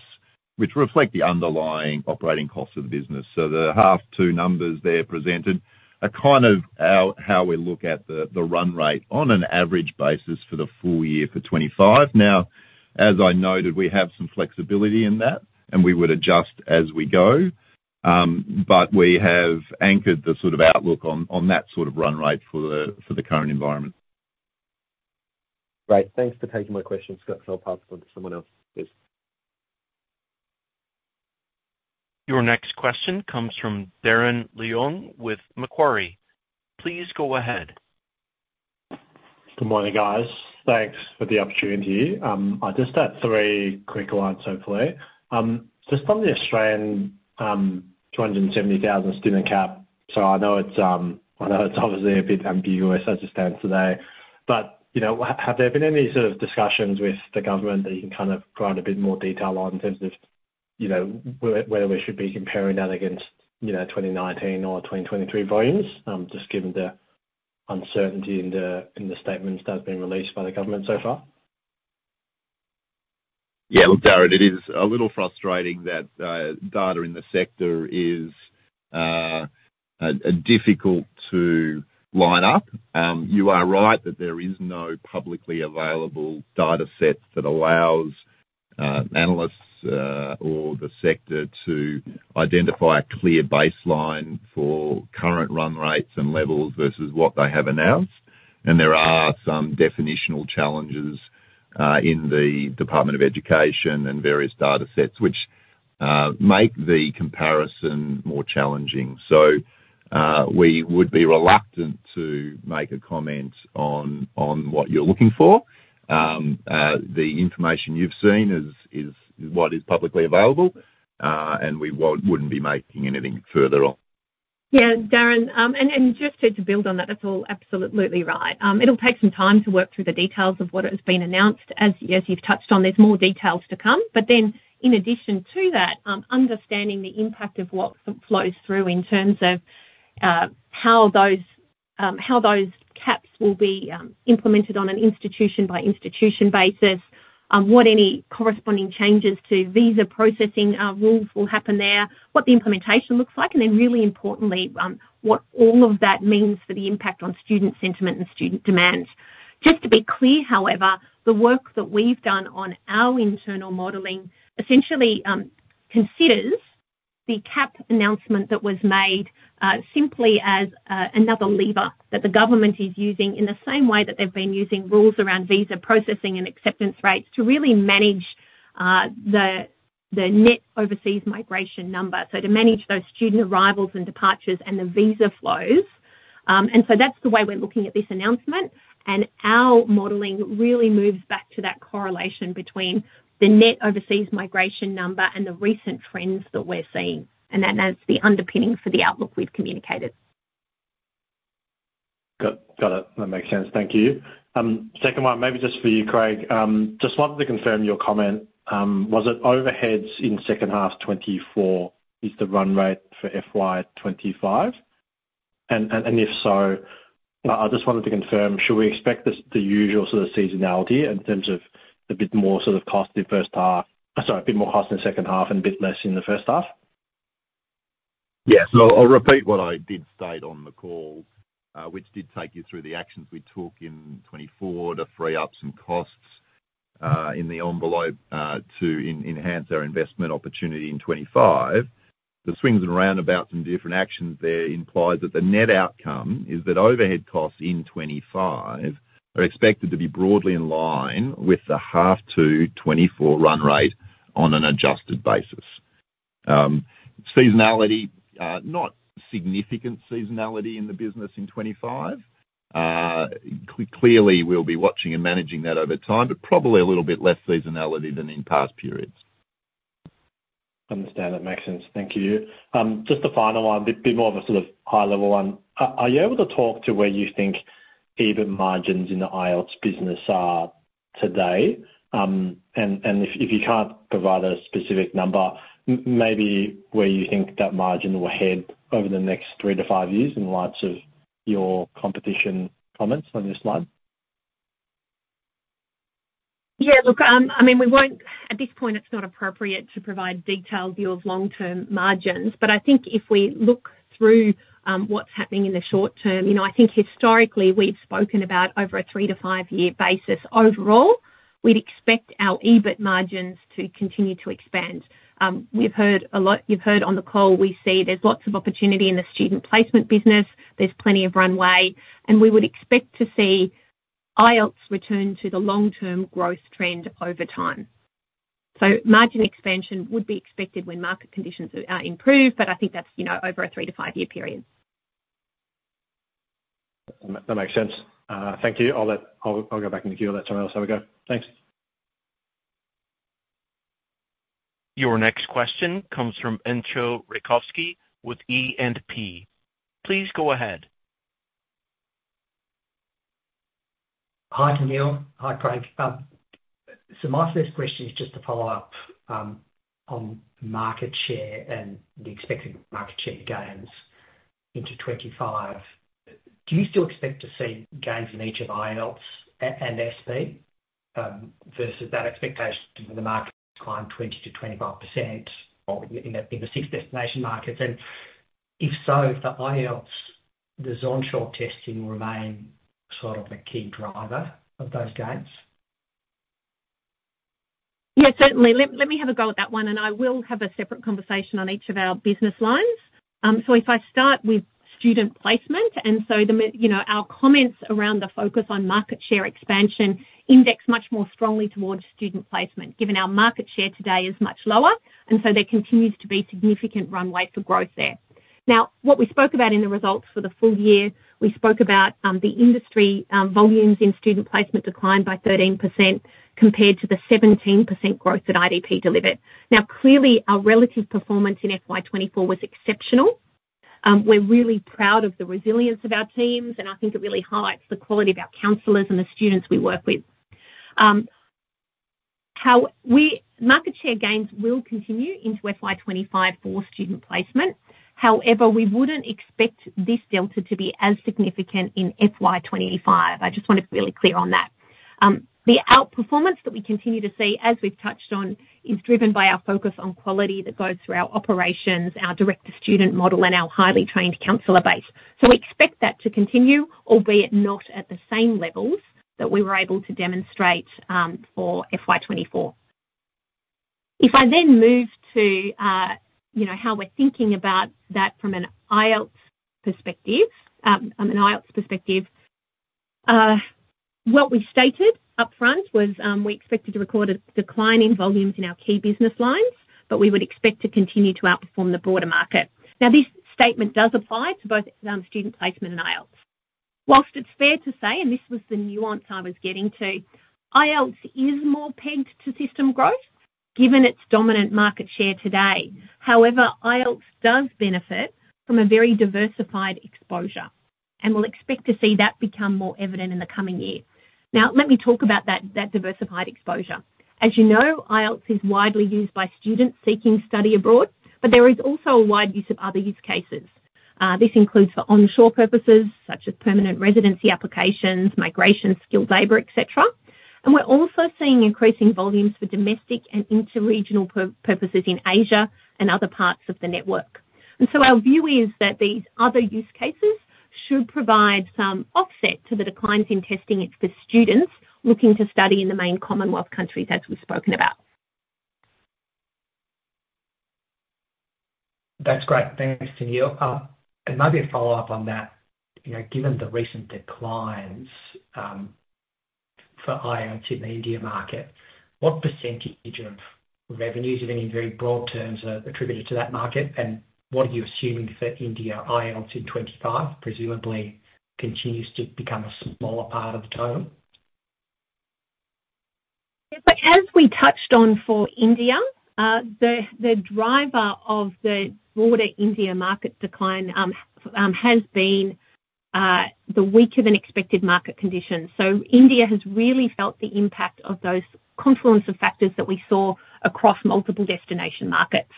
which reflect the underlying operating costs of the business. So the H2 numbers there presented are kind of how we look at the run rate on an average basis for the full year for2025. Now, as I noted, we have some flexibility in that, and we would adjust as we go. But we have anchored the sort of outlook on that sort of run rate for the current environment. Great. Thanks for taking my question. So I'll pass it on to someone else. Cheers. Your next question comes from Darren Leung with Macquarie. Please go ahead. Good morning, guys. Thanks for the opportunity. I just had three quick ones, hopefully. Just on the Australian 270,000 student cap. So I know it's, I know it's obviously a bit ambiguous as it stands today, but, you know, have there been any sort of discussions with the government that you can kind of provide a bit more detail on in terms of, you know, whether we should be comparing that against, you know, 2019 or 2023 volumes? Just given the uncertainty in the, in the statements that have been released by the government so far. Yeah, look, Darren, it is a little frustrating that data in the sector is difficult to line up. You are right that there is no publicly available data set that allows analysts or the sector to identify a clear baseline for current run rates and levels versus what they have announced. And there are some definitional challenges in the Department of Education and various data sets, which make the comparison more challenging. So we would be reluctant to make a comment on what you're looking for. The information you've seen is what is publicly available, and we wouldn't be making anything further on. Yeah, Darren, and just to build on that, that's all absolutely right. It'll take some time to work through the details of what has been announced. As you've touched on, there's more details to come. But then in addition to that, understanding the impact of what flows through in terms of how those caps will be implemented on an institution-by-institution basis. What any corresponding changes to visa processing rules will happen there, what the implementation looks like, and then really importantly, what all of that means for the impact on student sentiment and student demands. Just to be clear, however, the work that we've done on our internal modeling essentially considers the cap announcement that was made simply as another lever that the government is using in the same way that they've been using rules around visa processing and acceptance rates to really manage the net overseas migration number, so to manage those student arrivals and departures and the visa flows, and so that's the way we're looking at this announcement, and our modeling really moves back to that correlation between the net overseas migration number and the recent trends that we're seeing. And that's the underpinning for the outlook we've communicated. Got it. That makes sense. Thank you. Second one, maybe just for you, Craig. Just wanted to confirm your comment. Was it overheads in second half 2024 is the run rate for FY25? And if so, I just wanted to confirm, should we expect the usual sort of seasonality in terms of a bit more sort of cost in the first half, sorry, a bit more cost in the second half and a bit less in the first half? Yeah. So I'll repeat what I did state on the call, which did take you through the actions we took in 2024 to free up some costs in the envelope to enhance our investment opportunity in 2025. The swings and roundabouts and different actions there implies that the net outcome is that overhead costs in 2025 are expected to be broadly in line with the H2 2024 run rate on an adjusted basis. Seasonality, not significant seasonality in the business in 2025. Clearly, we'll be watching and managing that over time, but probably a little bit less seasonality than in past periods. Understand that. Makes sense. Thank you. Just a final one, bit more of a sort of high-level one. Are you able to talk to where you think EBIT margins in the IELTS business are today? And if you can't provide a specific number, maybe where you think that margin will head over the next three to five years in light of your competition comments on this slide? Yeah. Look, I mean, we won't at this point, it's not appropriate to provide detailed views of long-term margins. But I think if we look through, what's happening in the short term, you know, I think historically we've spoken about over a three to five-year basis. Overall, we'd expect our EBIT margins to continue to expand. We've heard a lot. You've heard on the call, we see there's lots of opportunity in the student placement business. There's plenty of runway, and we would expect to see IELTS return to the long-term growth trend over time. So margin expansion would be expected when market conditions improve, but I think that's, you know, over a three to five-year period. That makes sense. Thank you. I'll let... I'll go back in the queue and let someone else have a go. Thanks. Your next question comes from Enzo Rickowski with E&P. Please go ahead. Hi, Tennealle. Hi, Craig. So my first question is just to follow up on market share and the expected market share gains into 2025. Do you still expect to see gains in each of IELTS and SP versus that expectation when the market declined 20%-25% or in the six destination markets? And if so, for IELTS, does onshore testing remain sort of a key driver of those gains? Yeah, certainly. Let me have a go at that one, and I will have a separate conversation on each of our business lines. So if I start with student placement, and so you know, our comments around the focus on market share expansion index much more strongly towards student placement, given our market share today is much lower, and so there continues to be significant runway for growth there. Now, what we spoke about in the results for the full year, we spoke about the industry volumes in student placement declined by 13% compared to the 17% growth that IDP delivered. Now, clearly, our relative performance in FY24 was exceptional. We're really proud of the resilience of our teams, and I think it really highlights the quality of our counselors and the students we work with. Market share gains will continue into FY25 for student placement. However, we wouldn't expect this delta to be as significant in FY25. I just want to be really clear on that. The outperformance that we continue to see, as we've touched on, is driven by our focus on quality that goes through our operations, our direct-to-student model, and our highly trained counselor base. So we expect that to continue, albeit not at the same levels that we were able to demonstrate, for FY24. If I then move to, you know, how we're thinking about that from an IELTS perspective, what we've stated upfront was, we expected to record a decline in volumes in our key business lines, but we would expect to continue to outperform the broader market. Now, this statement does apply to both, student placement and IELTS. While it's fair to say, and this was the nuance I was getting to, IELTS is more pegged to system growth given its dominant market share today. However, IELTS does benefit from a very diversified exposure, and we'll expect to see that become more evident in the coming year. Now, let me talk about that diversified exposure. As you know, IELTS is widely used by students seeking study abroad, but there is also a wide use of other use cases. This includes for onshore purposes, such as permanent residency applications, migration, skilled labor, et cetera, and we're also seeing increasing volumes for domestic and interregional purposes in Asia and other parts of the network. Our view is that these other use cases should provide some offset to the declines in testing for students looking to study in the main Commonwealth countries, as we've spoken about.... That's great. Thanks, Tennealle. And maybe a follow-up on that. You know, given the recent declines, for IELTS in the India market, what percentage of revenues, in any very broad terms, are attributed to that market? And what are you assuming for India IELTS in 2025, presumably continues to become a smaller part of the total? Yeah, but as we touched on for India, the driver of the broader India market decline has been the weaker than expected market conditions. So India has really felt the impact of those confluence of factors that we saw across multiple destination markets.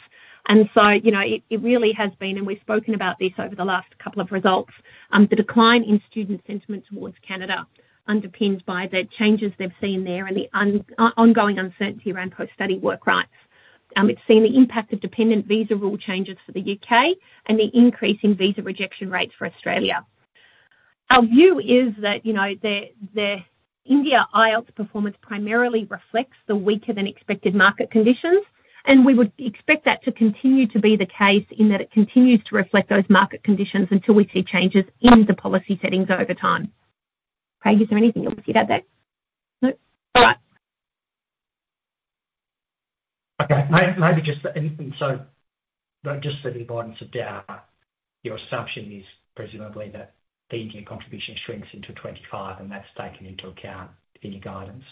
And so, you know, it really has been, and we've spoken about this over the last couple of results, the decline in student sentiment towards Canada, underpinned by the changes they've seen there and the ongoing uncertainty around post-study work rights. It's seen the impact of dependent visa rule changes for the UK and the increase in visa rejection rates for Australia. Our view is that, you know, the India IELTS performance primarily reflects the weaker than expected market conditions, and we would expect that to continue to be the case in that it continues to reflect those market conditions until we see changes in the policy settings over time. Craig, is there anything you want to add there? No. All right. Okay. Maybe just and so, but just for the avoidance of doubt, your assumption is presumably that the India contribution shrinks into twenty-five, and that's taken into account in your guidance?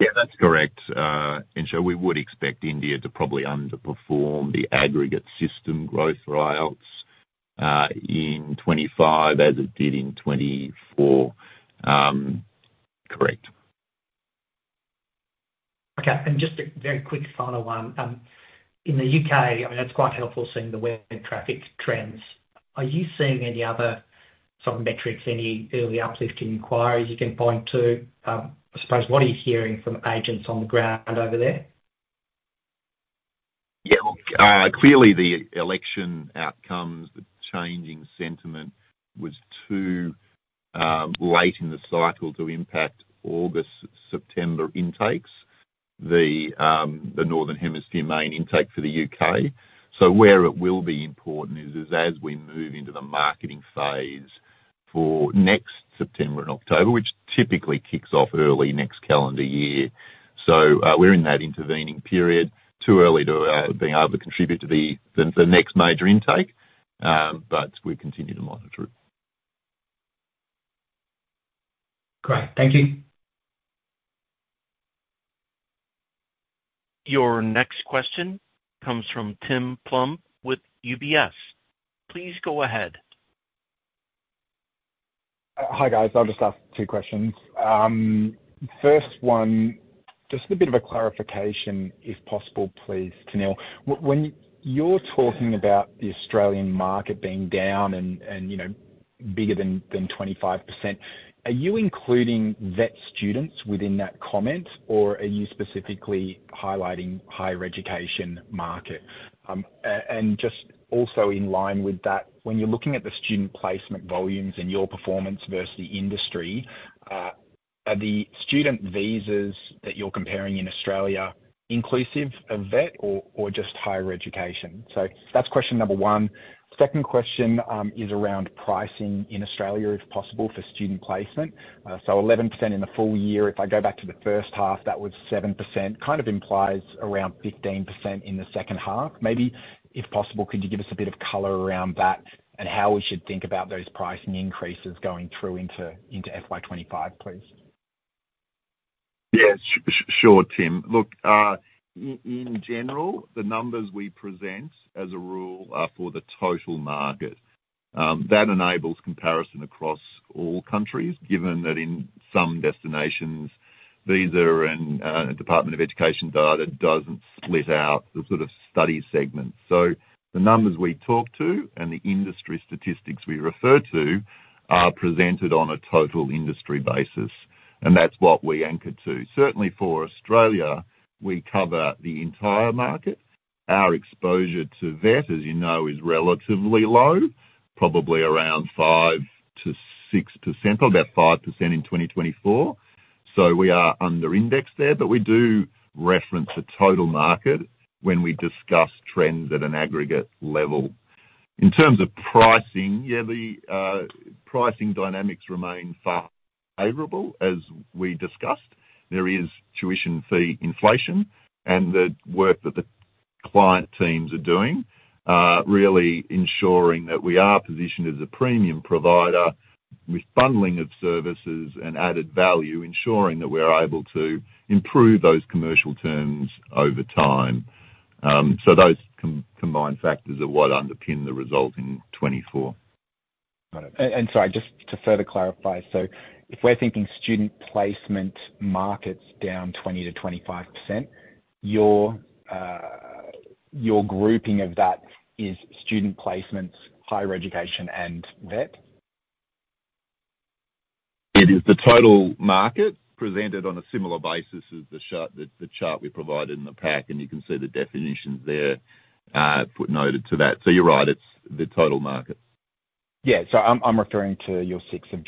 Yeah, that's correct, and so we would expect India to probably underperform the aggregate system growth for IELTS in 2025, as it did in 2024. Correct. Okay. And just a very quick final one. In the UK, I mean, that's quite helpful seeing the web traffic trends. Are you seeing any other sort of metrics, any early uplift in inquiries you can point to? I suppose, what are you hearing from agents on the ground over there? Yeah, look, clearly the election outcomes, the changing sentiment, was too late in the cycle to impact August, September intakes, the the Northern Hemisphere main intake for the UK. So where it will be important is as we move into the marketing phase for next September and October, which typically kicks off early next calendar year. So, we're in that intervening period, too early to being able to contribute to the the next major intake, but we'll continue to monitor it. Great. Thank you. Your next question comes from Tim Plumbe with UBS. Please go ahead. Hi, guys. I'll just ask two questions. First one, just a bit of a clarification, if possible, please, Tennealle. When you're talking about the Australian market being down and, you know, bigger than 25%, are you including VET students within that comment? Or are you specifically highlighting higher education market? And just also in line with that, when you're looking at the student placement volumes and your performance versus the industry, are the student visas that you're comparing in Australia inclusive of VET or just higher education? So that's question number one. Second question is around pricing in Australia, if possible, for student placement. So 11% in the full year. If I go back to the first half, that was 7%, kind of implies around 15% in the second half. Maybe, if possible, could you give us a bit of color around that and how we should think about those pricing increases going through into, into FY25, please? Yeah, sure, Tim. Look, in general, the numbers we present as a rule are for the total market. That enables comparison across all countries, given that in some destinations, visa and Department of Education data doesn't split out the sort of study segments. The numbers we talk to and the industry statistics we refer to are presented on a total industry basis, and that's what we anchor to. Certainly for Australia, we cover the entire market. Our exposure to VET, as you know, is relatively low, probably around 5%-6%, or about 5% in 2024. We are under indexed there, but we do reference the total market when we discuss trends at an aggregate level. In terms of pricing, yeah, the pricing dynamics remain far favorable as we discussed. There is tuition fee inflation and the work that the client teams are doing, really ensuring that we are positioned as a premium provider with bundling of services and added value, ensuring that we're able to improve those commercial terms over time. So those combined factors are what underpin the result in 2024. Got it. And sorry, just to further clarify, so if we're thinking student placement markets down 20%-25%, your, your grouping of that is student placements, higher education, and VET? It is the total market presented on a similar basis as the chart, the chart we provided in the pack, and you can see the definitions there, footnoted to that. So you're right, it's the total market.... Yeah, so I'm referring to your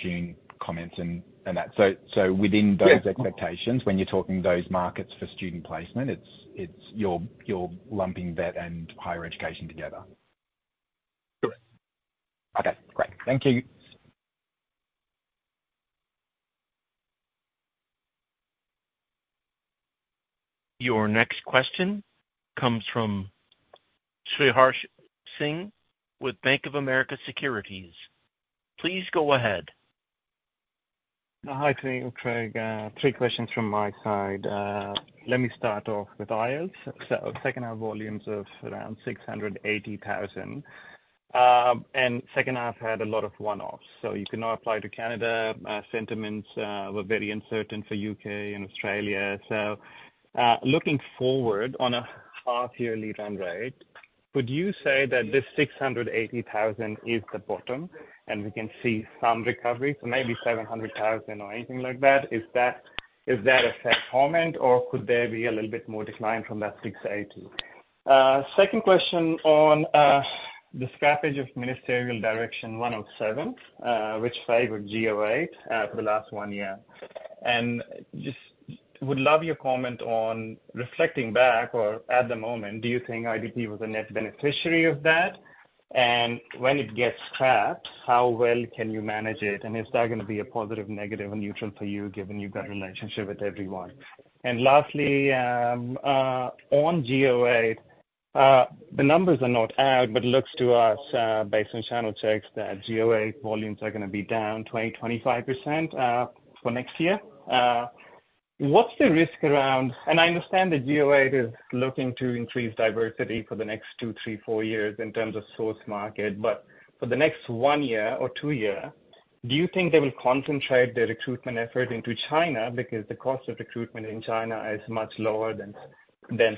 June 6th comments and that. So within those expectations, when you're talking those markets for student placement, it's you're lumping VET and higher education together? Correct. Okay, great. Thank you. Your next question comes from Srisharsh Singh with Bank of America Securities. Please go ahead. Hi, Craig. Three questions from my side. Let me start off with IELTS. So second half volumes of around 680,000, and second half had a lot of one-offs, so you cannot apply to Canada. Sentiments were very uncertain for UK and Australia. So, looking forward on a half yearly run rate, would you say that this 680,000 is the bottom, and we can see some recovery, so maybe 700,000 or anything like that? Is that, is that a fair comment, or could there be a little bit more decline from that 680,000? Second question on the scrapping of Ministerial Direction 107, which favored Go8, for the last one year. And just would love your comment on reflecting back or at the moment. Do you think IDP was a net beneficiary of that? And when it gets scrapped, how well can you manage it? And is that going to be a positive, negative, or neutral for you, given you've got a relationship with everyone? And lastly, on Go8, the numbers are not out, but looks to us, based on channel checks, that Go8 volumes are going to be down 20%-25% for next year. What's the risk around that? And I understand the Go8 is looking to increase diversity for the next two, three, four years in terms of source market, but for the next one year or two year, do you think they will concentrate their recruitment effort into China? Because the cost of recruitment in China is much lower than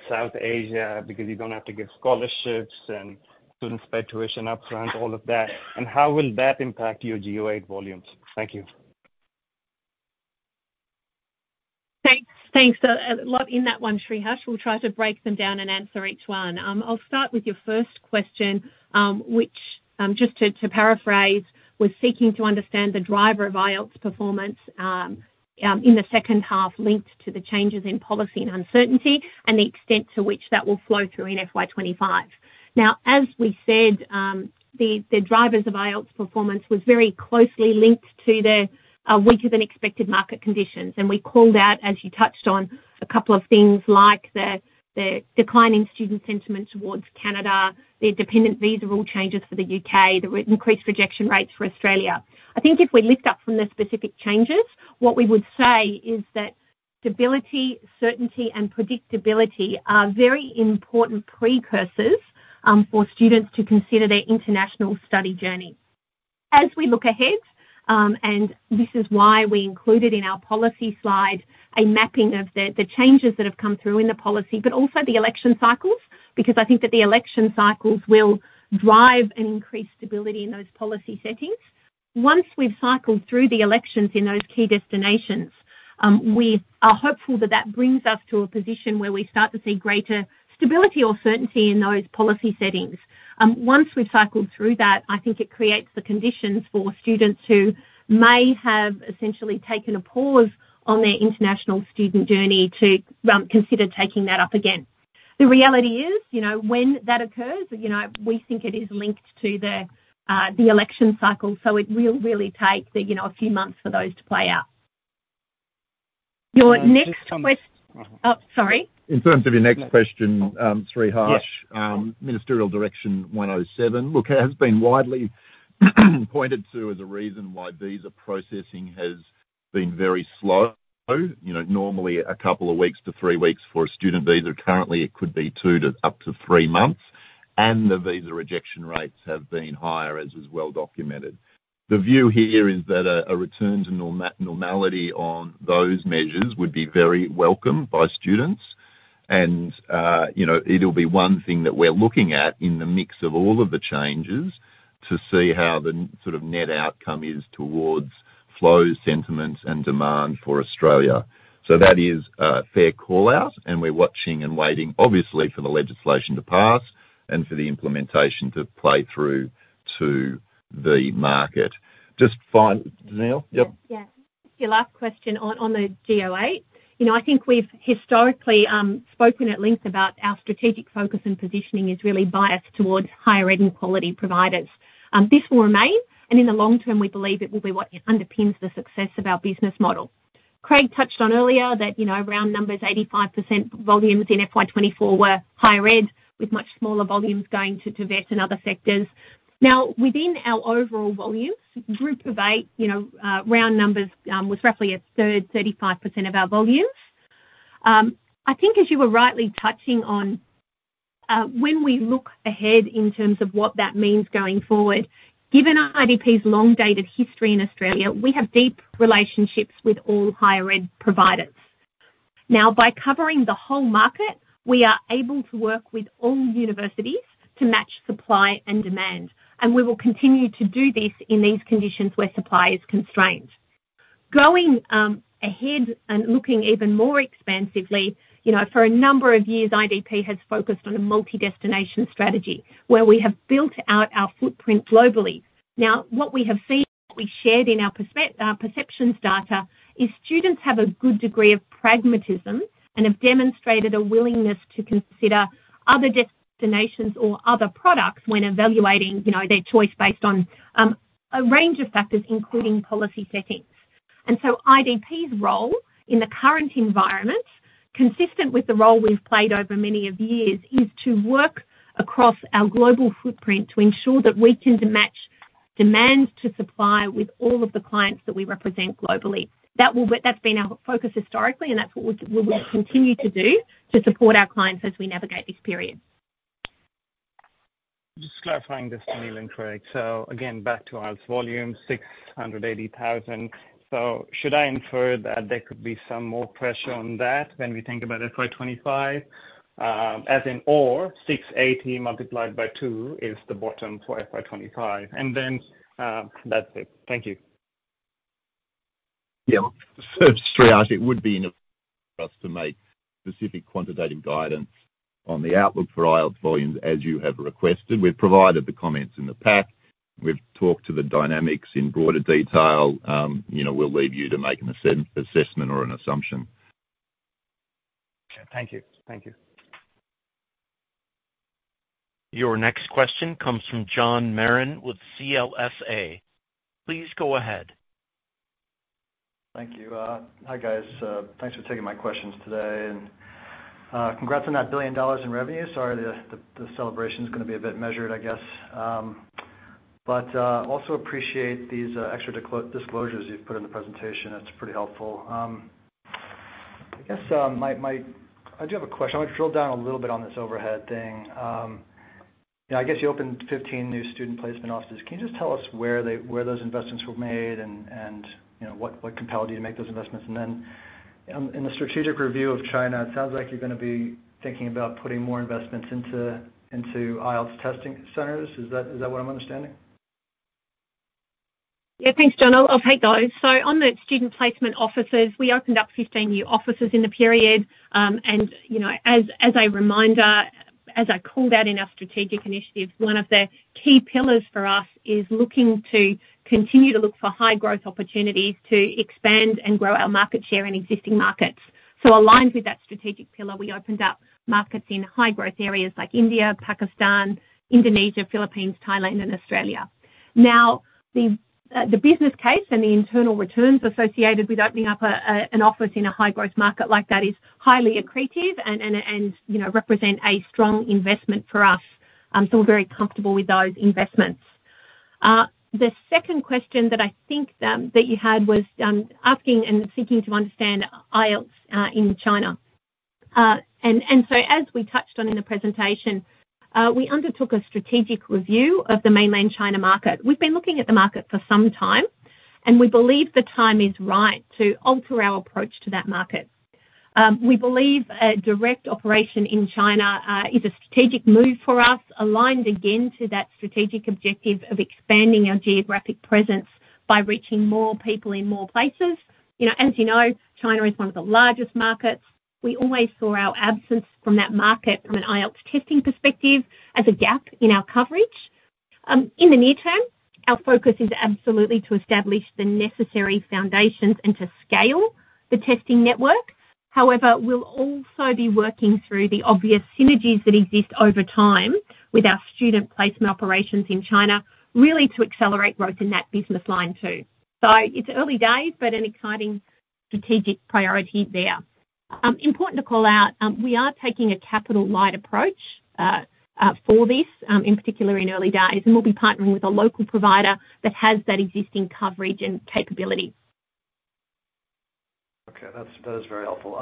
South Asia, because you don't have to give scholarships and students pay tuition upfront, all of that. How will that impact your Go8 volumes? Thank you. Thanks. Thanks. So a lot in that one, Shrishash. We'll try to break them down and answer each one. I'll start with your first question, which just to paraphrase, was seeking to understand the driver of IELTS performance in the second half, linked to the changes in policy and uncertainty and the extent to which that will flow through in FY25. Now, as we said, the drivers of IELTS performance was very closely linked to the weaker than expected market conditions. And we called out, as you touched on, a couple of things like the declining student sentiment towards Canada, the dependent visa rule changes for the UK, the increased rejection rates for Australia. I think if we lift up from the specific changes, what we would say is that stability, certainty and predictability are very important precursors, for students to consider their international study journey. As we look ahead, and this is why we included in our policy slide, a mapping of the changes that have come through in the policy, but also the election cycles, because I think that the election cycles will drive and increase stability in those policy settings. Once we've cycled through the elections in those key destinations, we are hopeful that that brings us to a position where we start to see greater stability or certainty in those policy settings. Once we've cycled through that, I think it creates the conditions for students who may have essentially taken a pause on their international student journey to, consider taking that up again. The reality is, you know, when that occurs, you know, we think it is linked to the election cycle, so it will really take, you know, a few months for those to play out. Your next ques- Oh, sorry. In terms of your next question, Shrishash- Yes. Ministerial Direction 107, look, it has been widely pointed to as a reason why visa processing has been very slow. You know, normally a couple of weeks to three weeks for a student visa. Currently, it could be two to up to three months, and the visa rejection rates have been higher, as is well documented. The view here is that a return to normality on those measures would be very welcome by students, and you know, it'll be one thing that we're looking at in the mix of all of the changes, to see how the net sort of net outcome is towards flows, sentiments, and demand for Australia. So that is a fair call out, and we're watching and waiting, obviously, for the legislation to pass and for the implementation to play through to the market. Just final, Danielle? Yep. Yeah. Your last question on, on the GO8. You know, I think we've historically spoken at length about our strategic focus and positioning is really biased towards higher ed and quality providers. This will remain, and in the long term, we believe it will be what underpins the success of our business model. Craig touched on earlier that, you know, round numbers, 85% volumes in FY24 were higher ed, with much smaller volumes going to, to VET and other sectors. Now, within our overall volumes, Group of Eight, you know, round numbers, was roughly a third, 35% of our volumes. I think as you were rightly touching on, when we look ahead in terms of what that means going forward, given IDP's long dated history in Australia, we have deep relationships with all higher ed providers. Now, by covering the whole market, we are able to work with all universities to match supply and demand, and we will continue to do this in these conditions where supply is constrained. Going ahead and looking even more expansively, you know, for a number of years, IDP has focused on a multi-destination strategy where we have built out our footprint globally. Now, what we have seen, we shared in our perceptions data, is students have a good degree of pragmatism and have demonstrated a willingness to consider other destinations or other products when evaluating, you know, their choice based on a range of factors, including policy settings. IDP's role in the current environment, consistent with the role we've played over many of years, is to work across our global footprint to ensure that we can match demand to supply with all of the clients that we represent globally. That's been our focus historically, and that's what we will continue to do to support our clients as we navigate this period. Just clarifying this to Tennealle and Craig. So again, back to IELTS volume, 680,000. So should I infer that there could be some more pressure on that when we think about FY 2025? As in, or 680,000 multiplied by two is the bottom for FY25. And then, that's it. Thank you. Yeah, so straight out, it would be enough for us to make specific quantitative guidance on the outlook for IELTS volumes as you have requested. We've provided the comments in the pack. We've talked to the dynamics in broader detail. You know, we'll leave you to make an assessment or an assumption. Thank you. Thank you. Your next question comes from Jon Merrin with CLSA. Please go ahead. Thank you. Hi, guys. Thanks for taking my questions today, and congrats on that 1 billion dollars in revenue. Sorry, the celebration is gonna be a bit measured, I guess, but also appreciate these extra disclosures you've put in the presentation. It's pretty helpful. I guess I do have a question. I want to drill down a little bit on this overhead thing. Yeah, I guess you opened 15 new student placement offices. Can you just tell us where those investments were made and, you know, what compelled you to make those investments? And then, in the strategic review of China, it sounds like you're gonna be thinking about putting more investments into IELTS testing centers. Is that what I'm understanding? Yeah, thanks, Jon. I'll take those. So on the student placement offices, we opened up 15 new offices in the period. You know, as a reminder, as I called out in our strategic initiative, one of the key pillars for us is looking to continue to look for high growth opportunities to expand and grow our market share in existing markets. So aligned with that strategic pillar, we opened up markets in high growth areas like India, Pakistan, Indonesia, Philippines, Thailand, and Australia. Now, the business case and the internal returns associated with opening up an office in a high-growth market like that is highly accretive and, you know, represent a strong investment for us, so we're very comfortable with those investments. The second question that I think that you had was asking and seeking to understand IELTS in China. And so as we touched on in the presentation, we undertook a strategic review of the mainland China market. We've been looking at the market for some time, and we believe the time is right to alter our approach to that market. We believe a direct operation in China is a strategic move for us, aligned again to that strategic objective of expanding our geographic presence by reaching more people in more places. You know, as you know, China is one of the largest markets. We always saw our absence from that market from an IELTS testing perspective as a gap in our coverage. In the near term, our focus is absolutely to establish the necessary foundations and to scale the testing network. However, we'll also be working through the obvious synergies that exist over time with our student placement operations in China, really to accelerate growth in that business line too, so it's early days, but an exciting strategic priority there. Important to call out, we are taking a capital light approach for this, in particular in early days, and we'll be partnering with a local provider that has that existing coverage and capability. Okay. That is very helpful.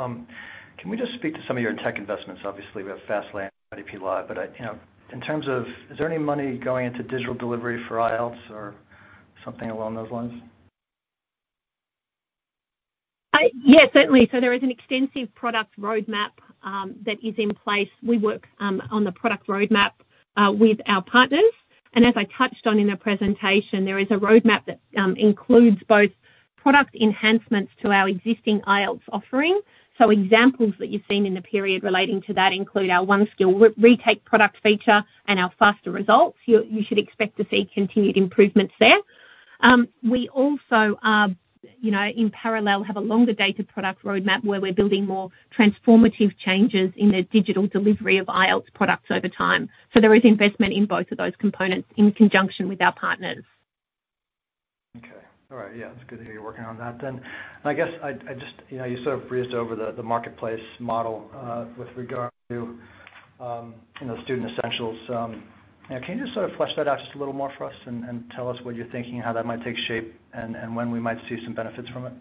Can we just speak to some of your tech investments? Obviously, we have FastLane, IDP Live, but I, you know, in terms of, is there any money going into digital delivery for IELTS or something along those lines? Yeah, certainly. So there is an extensive product roadmap that is in place. We work on the product roadmap with our partners, and as I touched on in the presentation, there is a roadmap that includes both product enhancements to our existing IELTS offering. So examples that you've seen in the period relating to that include our One Skill Retake product feature and our faster results. You should expect to see continued improvements there. We also are, you know, in parallel, have a longer-dated product roadmap, where we're building more transformative changes in the digital delivery of IELTS products over time. So there is investment in both of those components in conjunction with our partners. Okay. All right. Yeah, it's good to hear you're working on that then. I guess I just, you know, you sort of breezed over the marketplace model with regard to, you know, Student Essentials. Yeah, can you just sort of flesh that out just a little more for us and tell us what you're thinking, how that might take shape, and when we might see some benefits from it?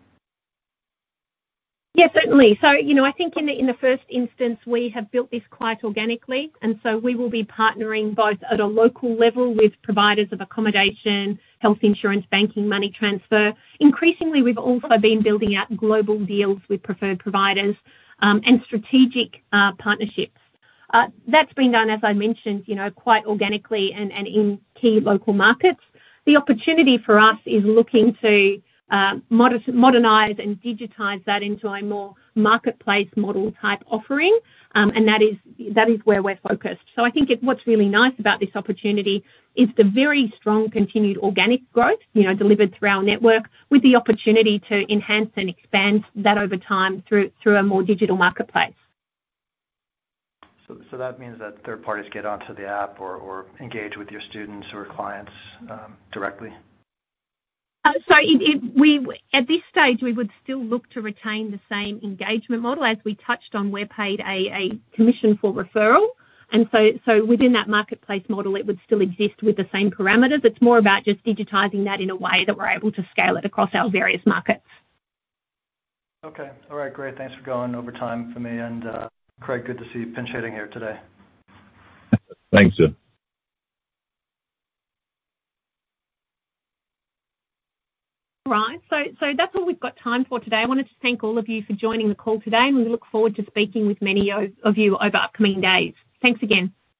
Yeah, certainly. So, you know, I think in the first instance, we have built this quite organically, and so we will be partnering both at a local level with providers of accommodation, health insurance, banking, money transfer. Increasingly, we've also been building out global deals with preferred providers, and strategic partnerships. That's been done, as I mentioned, you know, quite organically and in key local markets. The opportunity for us is looking to modernize and digitize that into a more marketplace model type offering, and that is where we're focused. So I think what's really nice about this opportunity is the very strong continued organic growth, you know, delivered through our network, with the opportunity to enhance and expand that over time through a more digital marketplace. So, that means that third parties get onto the app or engage with your students or clients directly? At this stage, we would still look to retain the same engagement model. As we touched on, we're paid a commission for referral, and so within that marketplace model, it would still exist with the same parameters. It's more about just digitizing that in a way that we're able to scale it across our various markets. Okay. All right, great. Thanks for going over time for me, and, Craig, good to see you pinch hitting here today. Thanks, Jon. All right. So that's all we've got time for today. I wanted to thank all of you for joining the call today, and we look forward to speaking with many of you over upcoming days. Thanks again.